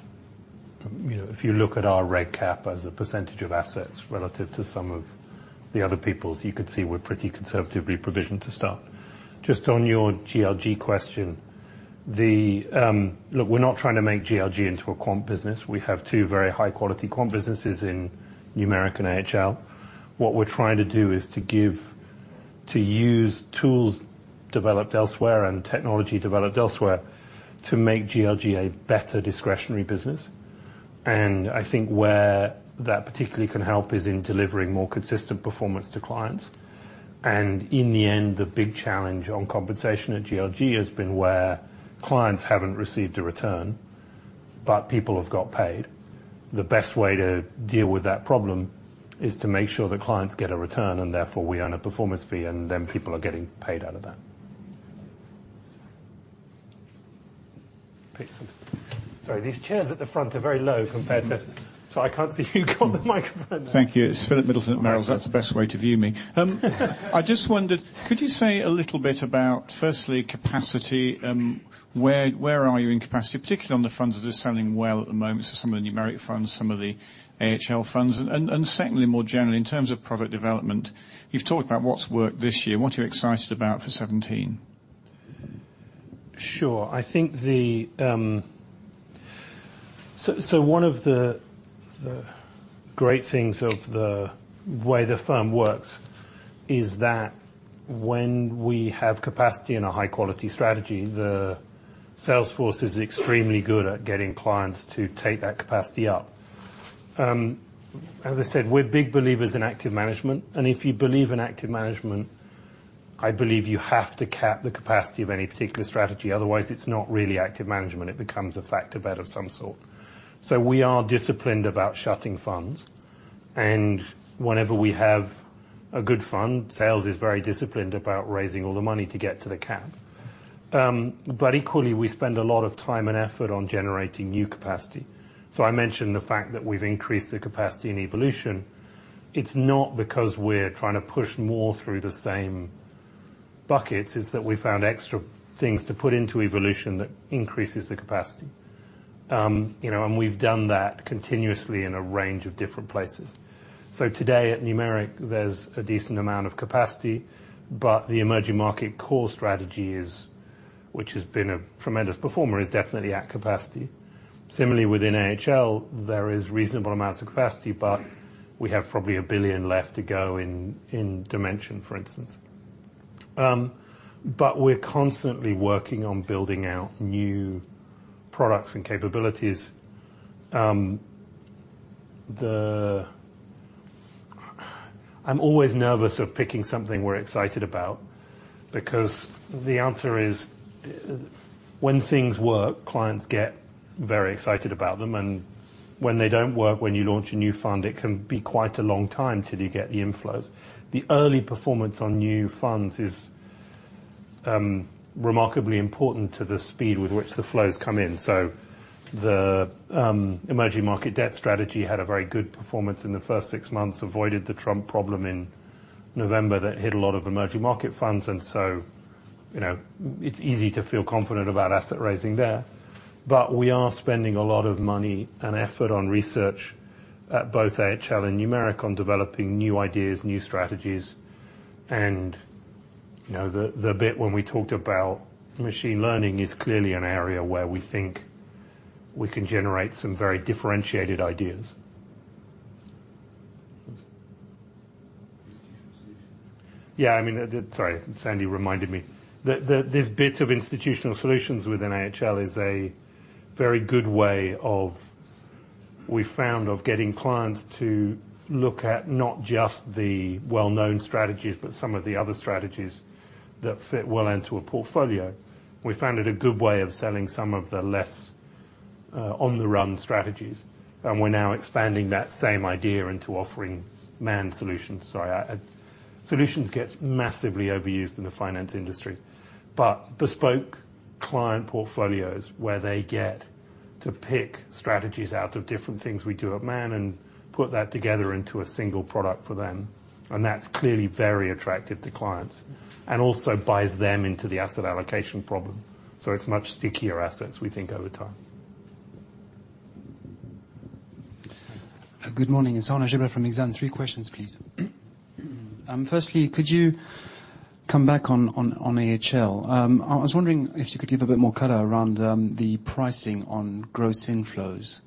If you look at our reg cap as a percentage of assets relative to some of the other people's, you could see we're pretty conservatively provisioned to start. Just on your GLG question. Look, we're not trying to make GLG into a quant business. We have two very high quality quant businesses in Numeric and AHL. What we're trying to do is to use tools developed elsewhere and technology developed elsewhere to make GLG a better discretionary business. I think where that particularly can help is in delivering more consistent performance to clients. In the end, the big challenge on compensation at GLG has been where clients haven't received a return, but people have got paid. The best way to deal with that problem is to make sure the clients get a return and therefore we earn a performance fee, and then people are getting paid out of that. Sorry, these chairs at the front are very low compared to So I can't see who got the microphone. Thank you. It's Philip Middleton at Merrill's. That's the best way to view me. I just wondered, could you say a little bit about, firstly, capacity. Where are you in capacity, particularly on the funds that are selling well at the moment, so some of the Numeric funds, some of the AHL funds. Secondly, more generally, in terms of product development, you've talked about what's worked this year. What are you excited about for 2017? Sure. One of the great things of the way the firm works is that when we have capacity and a high-quality strategy, the sales force is extremely good at getting clients to take that capacity up. As I said, we're big believers in active management, and if you believe in active management, I believe you have to cap the capacity of any particular strategy. Otherwise, it's not really active management. It becomes a factor bet of some sort. We are disciplined about shutting funds. Whenever we have a good fund, sales is very disciplined about raising all the money to get to the cap. Equally, we spend a lot of time and effort on generating new capacity. I mentioned the fact that we've increased the capacity in Evolution. It's not because we're trying to push more through the same -buckets is that we found extra things to put into Evolution that increases the capacity. We've done that continuously in a range of different places. Today at Numeric, there's a decent amount of capacity, but the Emerging Market Core Strategy, which has been a tremendous performer, is definitely at capacity. Similarly, within AHL, there is reasonable amounts of capacity, but we have probably 1 billion left to go in Dimension, for instance. We're constantly working on building out new products and capabilities. I'm always nervous of picking something we're excited about, because the answer is, when things work, clients get very excited about them, and when they don't work, when you launch a new fund, it can be quite a long time till you get the inflows. The early performance on new funds is remarkably important to the speed with which the flows come in. The Emerging Market Debt Strategy had a very good performance in the first six months, avoided the Trump problem in November that hit a lot of emerging market funds. It's easy to feel confident about asset raising there. We are spending a lot of money and effort on research at both AHL and Numeric on developing new ideas, new strategies, and the bit when we talked about machine learning is clearly an area where we think we can generate some very differentiated ideas. Institutional Solutions. Sorry, Sandy reminded me. This bit of Institutional Solutions within AHL is a very good way we found of getting clients to look at not just the well-known strategies, but some of the other strategies that fit well into a portfolio. We found it a good way of selling some of the less on-the-run strategies, and we're now expanding that same idea into offering Man Solutions. Sorry. Solutions gets massively overused in the finance industry. Bespoke client portfolios where they get to pick strategies out of different things we do at Man and put that together into a single product for them. That's clearly very attractive to clients, and also buys them into the asset allocation problem. It's much stickier assets, we think, over time. Good morning. It's Arnaud Giblat from Exane. 3 questions, please. Firstly, could you come back on AHL? I was wondering if you could give a bit more color around the pricing on gross inflows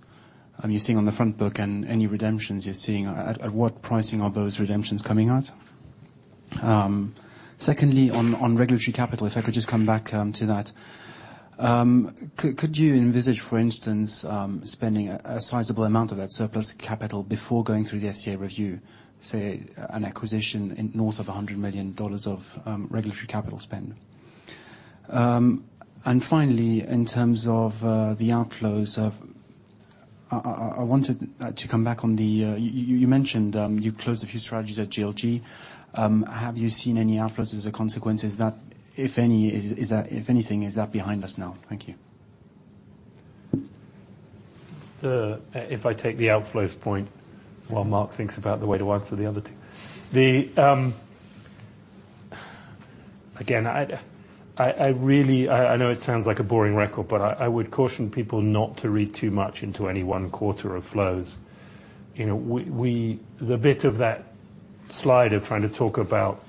you're seeing on the front book and any redemptions you're seeing. At what pricing are those redemptions coming out? Secondly, on regulatory capital, if I could just come back to that. Could you envisage, for instance, spending a sizable amount of that surplus capital before going through the FCA review, say, an acquisition north of GBP 100 million of regulatory capital spend? Finally, in terms of the outflows, you mentioned you closed a few strategies at GLG. Have you seen any outflows as a consequence? If anything, is that behind us now? Thank you. If I take the outflows point while Mark thinks about the way to answer the other two. Again, I know it sounds like a boring record, but I would caution people not to read too much into any one quarter of flows. The bit of that slide of trying to talk about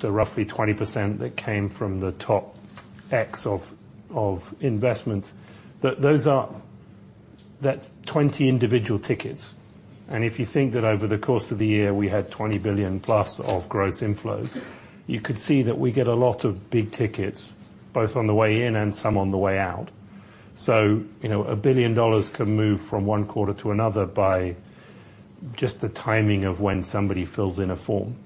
the roughly 20% that came from the top X of investments, that's 20 individual tickets. If you think that over the course of the year, we had 20 billion-plus of gross inflows, you could see that we get a lot of big tickets, both on the way in and some on the way out. A billion GBP can move from one quarter to another by just the timing of when somebody fills in a form.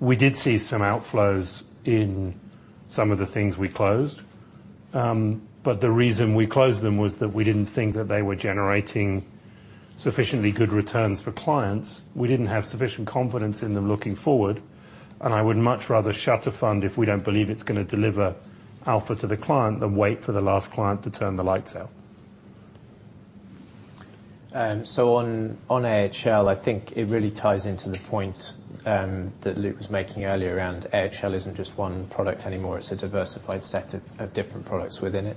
We did see some outflows in some of the things we closed. The reason we closed them was that we didn't think that they were generating sufficiently good returns for clients. We didn't have sufficient confidence in them looking forward, and I would much rather shut a fund if we don't believe it's going to deliver alpha to the client than wait for the last client to turn the lights out. On Man AHL, I think it really ties into the point that Luke was making earlier around Man AHL isn't just one product anymore, it's a diversified set of different products within it.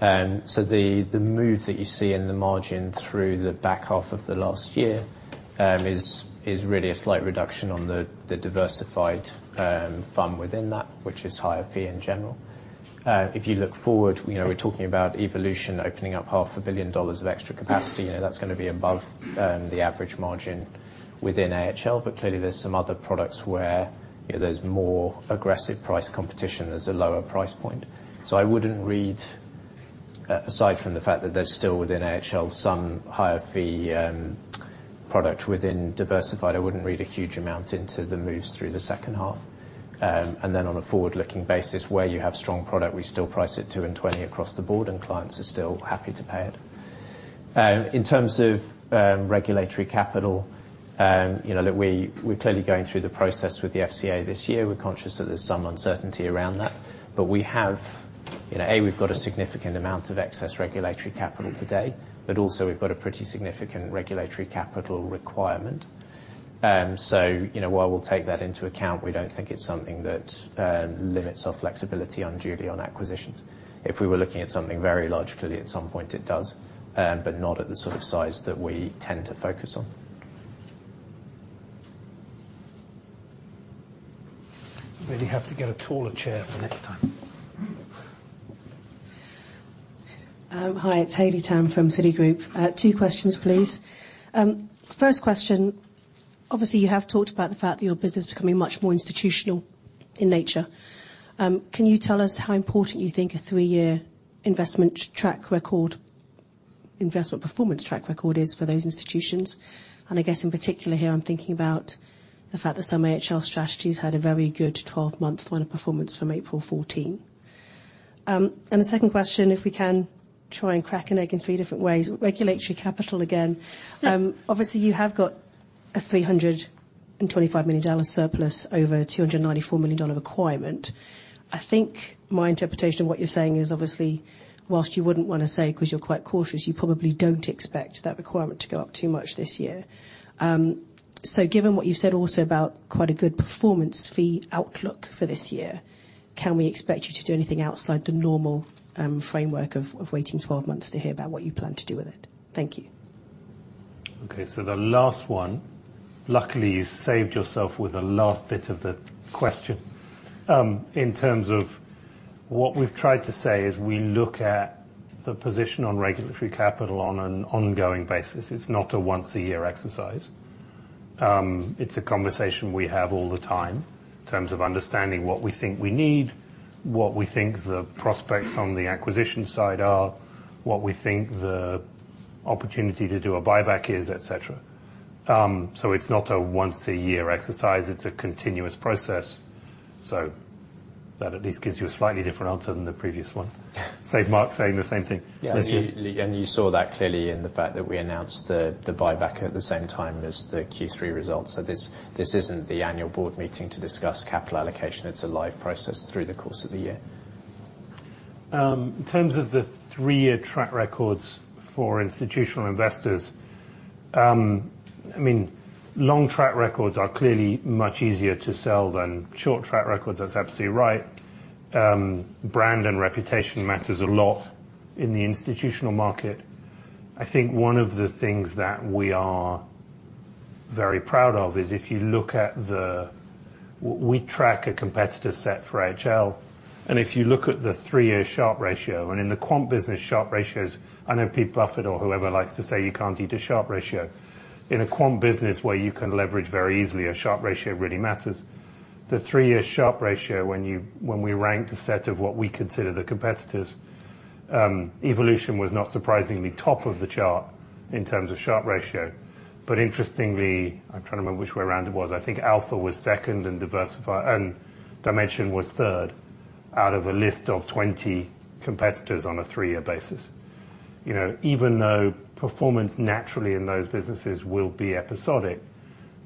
The move that you see in the margin through the back half of the last year is really a slight reduction on the AHL Diversified fund within that, which is higher fee in general. If you look forward, we're talking about AHL Evolution opening up half a billion dollars of extra capacity. That's going to be above the average margin within Man AHL. Clearly, there's some other products where there's more aggressive price competition. There's a lower price point. I wouldn't read, aside from the fact that there's still within Man AHL, some higher fee product within diversified. I wouldn't read a huge amount into the moves through the second half. On a forward-looking basis where you have strong product, we still price it 2 and 20 across the board and clients are still happy to pay it. In terms of regulatory capital, look, we're clearly going through the process with the FCA this year. We're conscious that there's some uncertainty around that, we've got a significant amount of excess regulatory capital today, also we've got a pretty significant regulatory capital requirement. While we'll take that into account, we don't think it's something that limits our flexibility unduly on acquisitions. If we were looking at something very large, clearly at some point it does, not at the sort of size that we tend to focus on. Really have to get a taller chair for next time. Hi, it's Haley Tam from Citigroup. Two questions, please. First question, obviously you have talked about the fact that your business is becoming much more institutional in nature. Can you tell us how important you think a three-year investment performance track record is for those institutions? I guess in particular here I'm thinking about the fact that some AHL strategies had a very good 12-month final performance from April 2014. The second question, if we can try and crack an egg in three different ways. Regulatory capital again. Obviously, you have got a $325 million surplus over a $294 million requirement. I think my interpretation of what you're saying is, obviously whilst you wouldn't want to say, because you're quite cautious, you probably don't expect that requirement to go up too much this year. Given what you said also about quite a good performance fee outlook for this year, can we expect you to do anything outside the normal framework of waiting 12 months to hear about what you plan to do with it? Thank you. The last one. Luckily, you saved yourself with the last bit of the question. In terms of what we've tried to say is we look at the position on regulatory capital on an ongoing basis. It's not a once a year exercise. It's a conversation we have all the time in terms of understanding what we think we need, what we think the prospects on the acquisition side are, what we think the opportunity to do a buyback is, et cetera. It's not a once a year exercise. It's a continuous process. That at least gives you a slightly different answer than the previous one. Saved Mark saying the same thing. Leslie? You saw that clearly in the fact that we announced the buyback at the same time as the Q3 results. This isn't the annual board meeting to discuss capital allocation. It's a live process through the course of the year. In terms of the three-year track records for institutional investors. Long track records are clearly much easier to sell than short track records, that's absolutely right. Brand and reputation matters a lot in the institutional market. I think one of the things that we are very proud of is We track a competitor set for AHL, and if you look at the three-year Sharpe ratio, and in the quant business, Sharpe ratios, I know Pete Buffett or whoever likes to say you can't eat a Sharpe ratio. In a quant business where you can leverage very easily, a Sharpe ratio really matters. The three-year Sharpe ratio, when we ranked a set of what we consider the competitors, Evolution was, not surprisingly, top of the chart in terms of Sharpe ratio. Interestingly, I'm trying to remember which way around it was, I think Alpha was second and Dimension was third, out of a list of 20 competitors on a three-year basis. Even though performance naturally in those businesses will be episodic,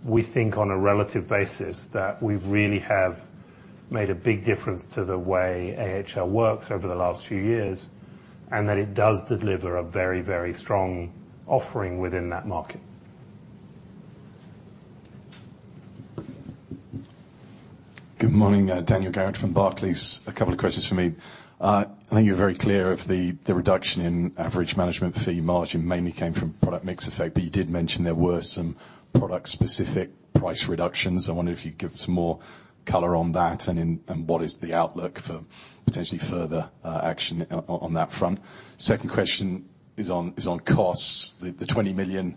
we think on a relative basis that we really have made a big difference to the way AHL works over the last few years, and that it does deliver a very strong offering within that market. Good morning. Daniel Garrard from Barclays. A couple of questions from me. I think you're very clear of the reduction in average management fee margin mainly came from product mix effect, but you did mention there were some product specific price reductions. I wonder if you'd give some more color on that and what is the outlook for potentially further action on that front. Second question is on costs. The 20 million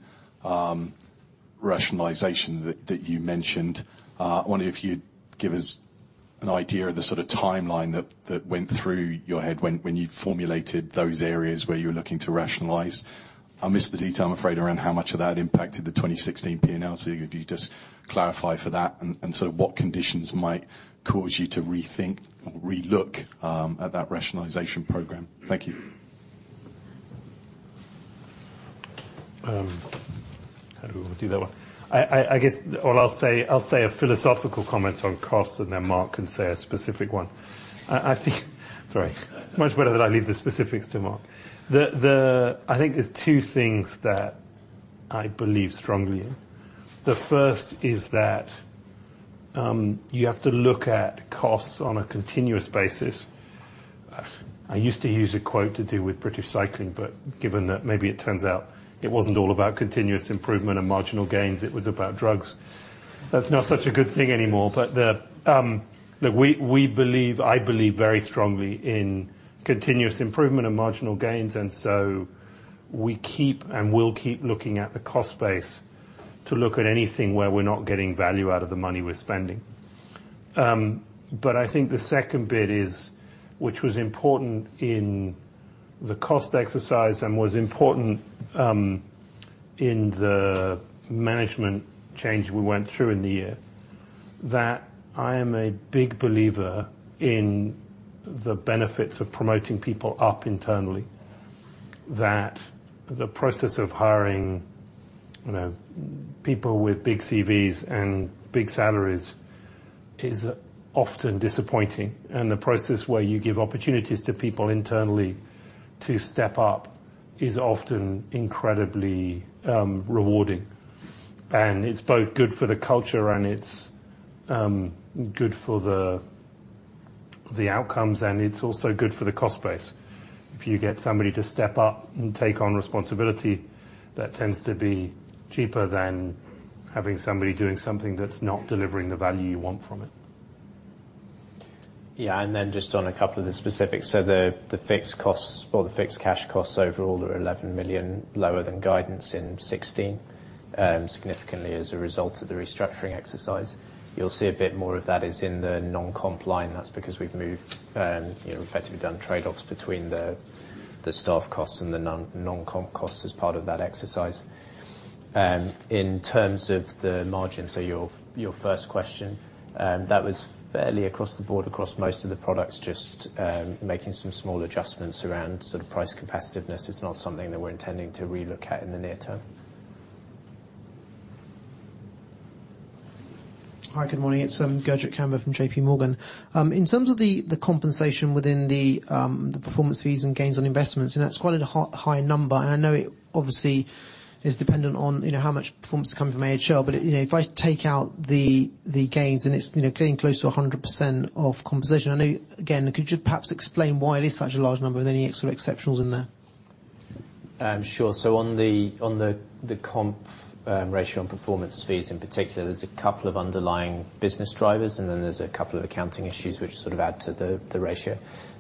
rationalization that you mentioned. I wonder if you'd give us an idea of the sort of timeline that went through your head when you formulated those areas where you were looking to rationalize. I missed the detail, I'm afraid, around how much of that impacted the 2016 P&L. If you could just clarify for that, and sort of what conditions might cause you to rethink or relook at that rationalization program. Thank you. How do we do that one? I guess I'll say a philosophical comment on costs and then Mark can say a specific one. Sorry. It's much better that I leave the specifics to Mark. I think there's two things that I believe strongly in. The first is that you have to look at costs on a continuous basis. I used to use a quote to do with British Cycling but given that maybe it turns out it wasn't all about continuous improvement and marginal gains, it was about drugs. That's not such a good thing anymore. We believe, I believe very strongly in continuous improvement and marginal gains, we keep and will keep looking at the cost base to look at anything where we're not getting value out of the money we're spending. I think the second bit is, which was important in the cost exercise and was important in the management change we went through in the year, that I am a big believer in the benefits of promoting people up internally. That the process of hiring people with big CVs and big salaries is often disappointing. The process where you give opportunities to people internally to step up is often incredibly rewarding. It's both good for the culture, and it's good for the outcomes, and it's also good for the cost base. If you get somebody to step up and take on responsibility, that tends to be cheaper than having somebody doing something that's not delivering the value you want from it. Yeah. Then just on a couple of the specifics. The fixed cash costs overall are $11 million lower than guidance in 2016, significantly as a result of the restructuring exercise. You'll see a bit more of that is in the non-comp line. That's because we've effectively done trade-offs between the staff costs and the non-comp costs as part of that exercise. In terms of the margins, your first question, that was fairly across the board, across most of the products, just making some small adjustments around price competitiveness. It's not something that we're intending to re-look at in the near term. Hi, good morning. It's Kian Abouhossein from J.P. Morgan. In terms of the compensation within the performance fees and gains on investments, that's quite a high number. I know it obviously is dependent on how much performance is coming from AHL. If I take out the gains, and it's getting close to 100% of compensation, I know, again. Could you perhaps explain why it is such a large number with any sort of exceptionals in there? Sure. On the comp ratio and performance fees in particular, there's a couple of underlying business drivers, then there's a couple of accounting issues which sort of add to the ratio.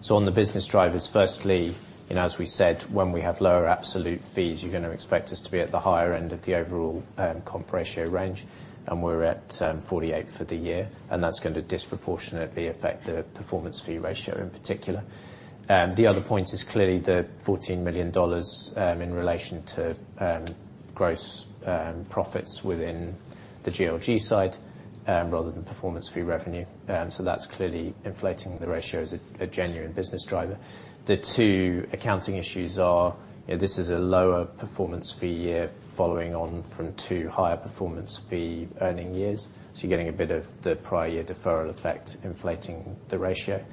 On the business drivers, firstly, as we said, when we have lower absolute fees, you're going to expect us to be at the higher end of the overall comp ratio range, we're at 48% for the year, that's going to disproportionately affect the performance fee ratio in particular. The other point is clearly the $14 million in relation to gross profits within the GLG side rather than performance fee revenue. That's clearly inflating the ratio as a genuine business driver. The two accounting issues are, this is a lower performance fee year following on from two higher performance fee earning years. You're getting a bit of the prior year deferral effect inflating the ratio.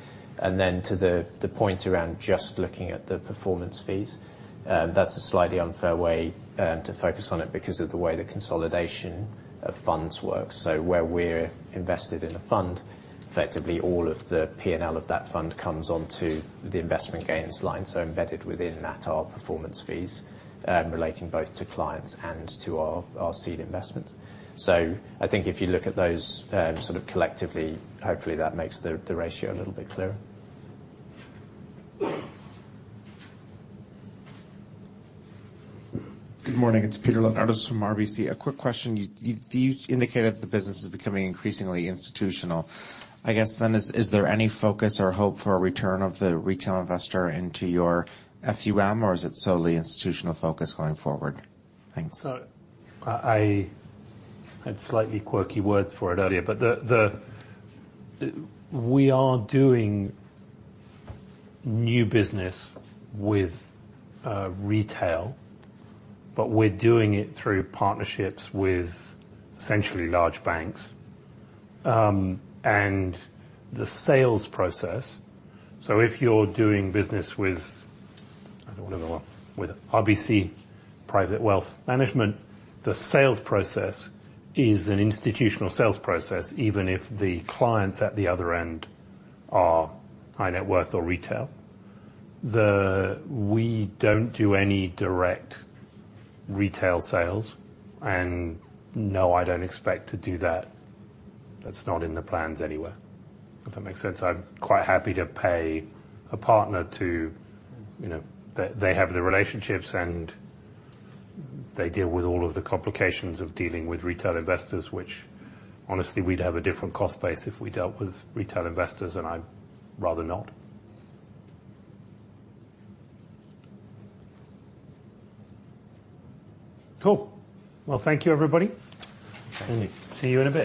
To the point around just looking at the performance fees, that's a slightly unfair way to focus on it because of the way the consolidation of funds works. Where we're invested in a fund, effectively all of the P&L of that fund comes onto the investment gains line. Embedded within that are performance fees relating both to clients and to our seed investment. I think if you look at those sort of collectively, hopefully that makes the ratio a little bit clearer. Good morning. It's Peter De Leonardis from RBC. A quick question. You indicated the business is becoming increasingly institutional. Is there any focus or hope for a return of the retail investor into your FUM, or is it solely institutional focus going forward? Thanks. I had slightly quirky words for it earlier. We are doing new business with retail, but we're doing it through partnerships with essentially large banks. The sales process, if you're doing business with RBC Private Wealth Management, the sales process is an institutional sales process, even if the clients at the other end are high net worth or retail. We don't do any direct retail sales. No, I don't expect to do that. That's not in the plans anywhere. If that makes sense. I'm quite happy to pay a partner. They have the relationships, and they deal with all of the complications of dealing with retail investors, which honestly, we'd have a different cost base if we dealt with retail investors, and I'd rather not. Cool. Well, thank you, everybody. Thank you. See you in a bit.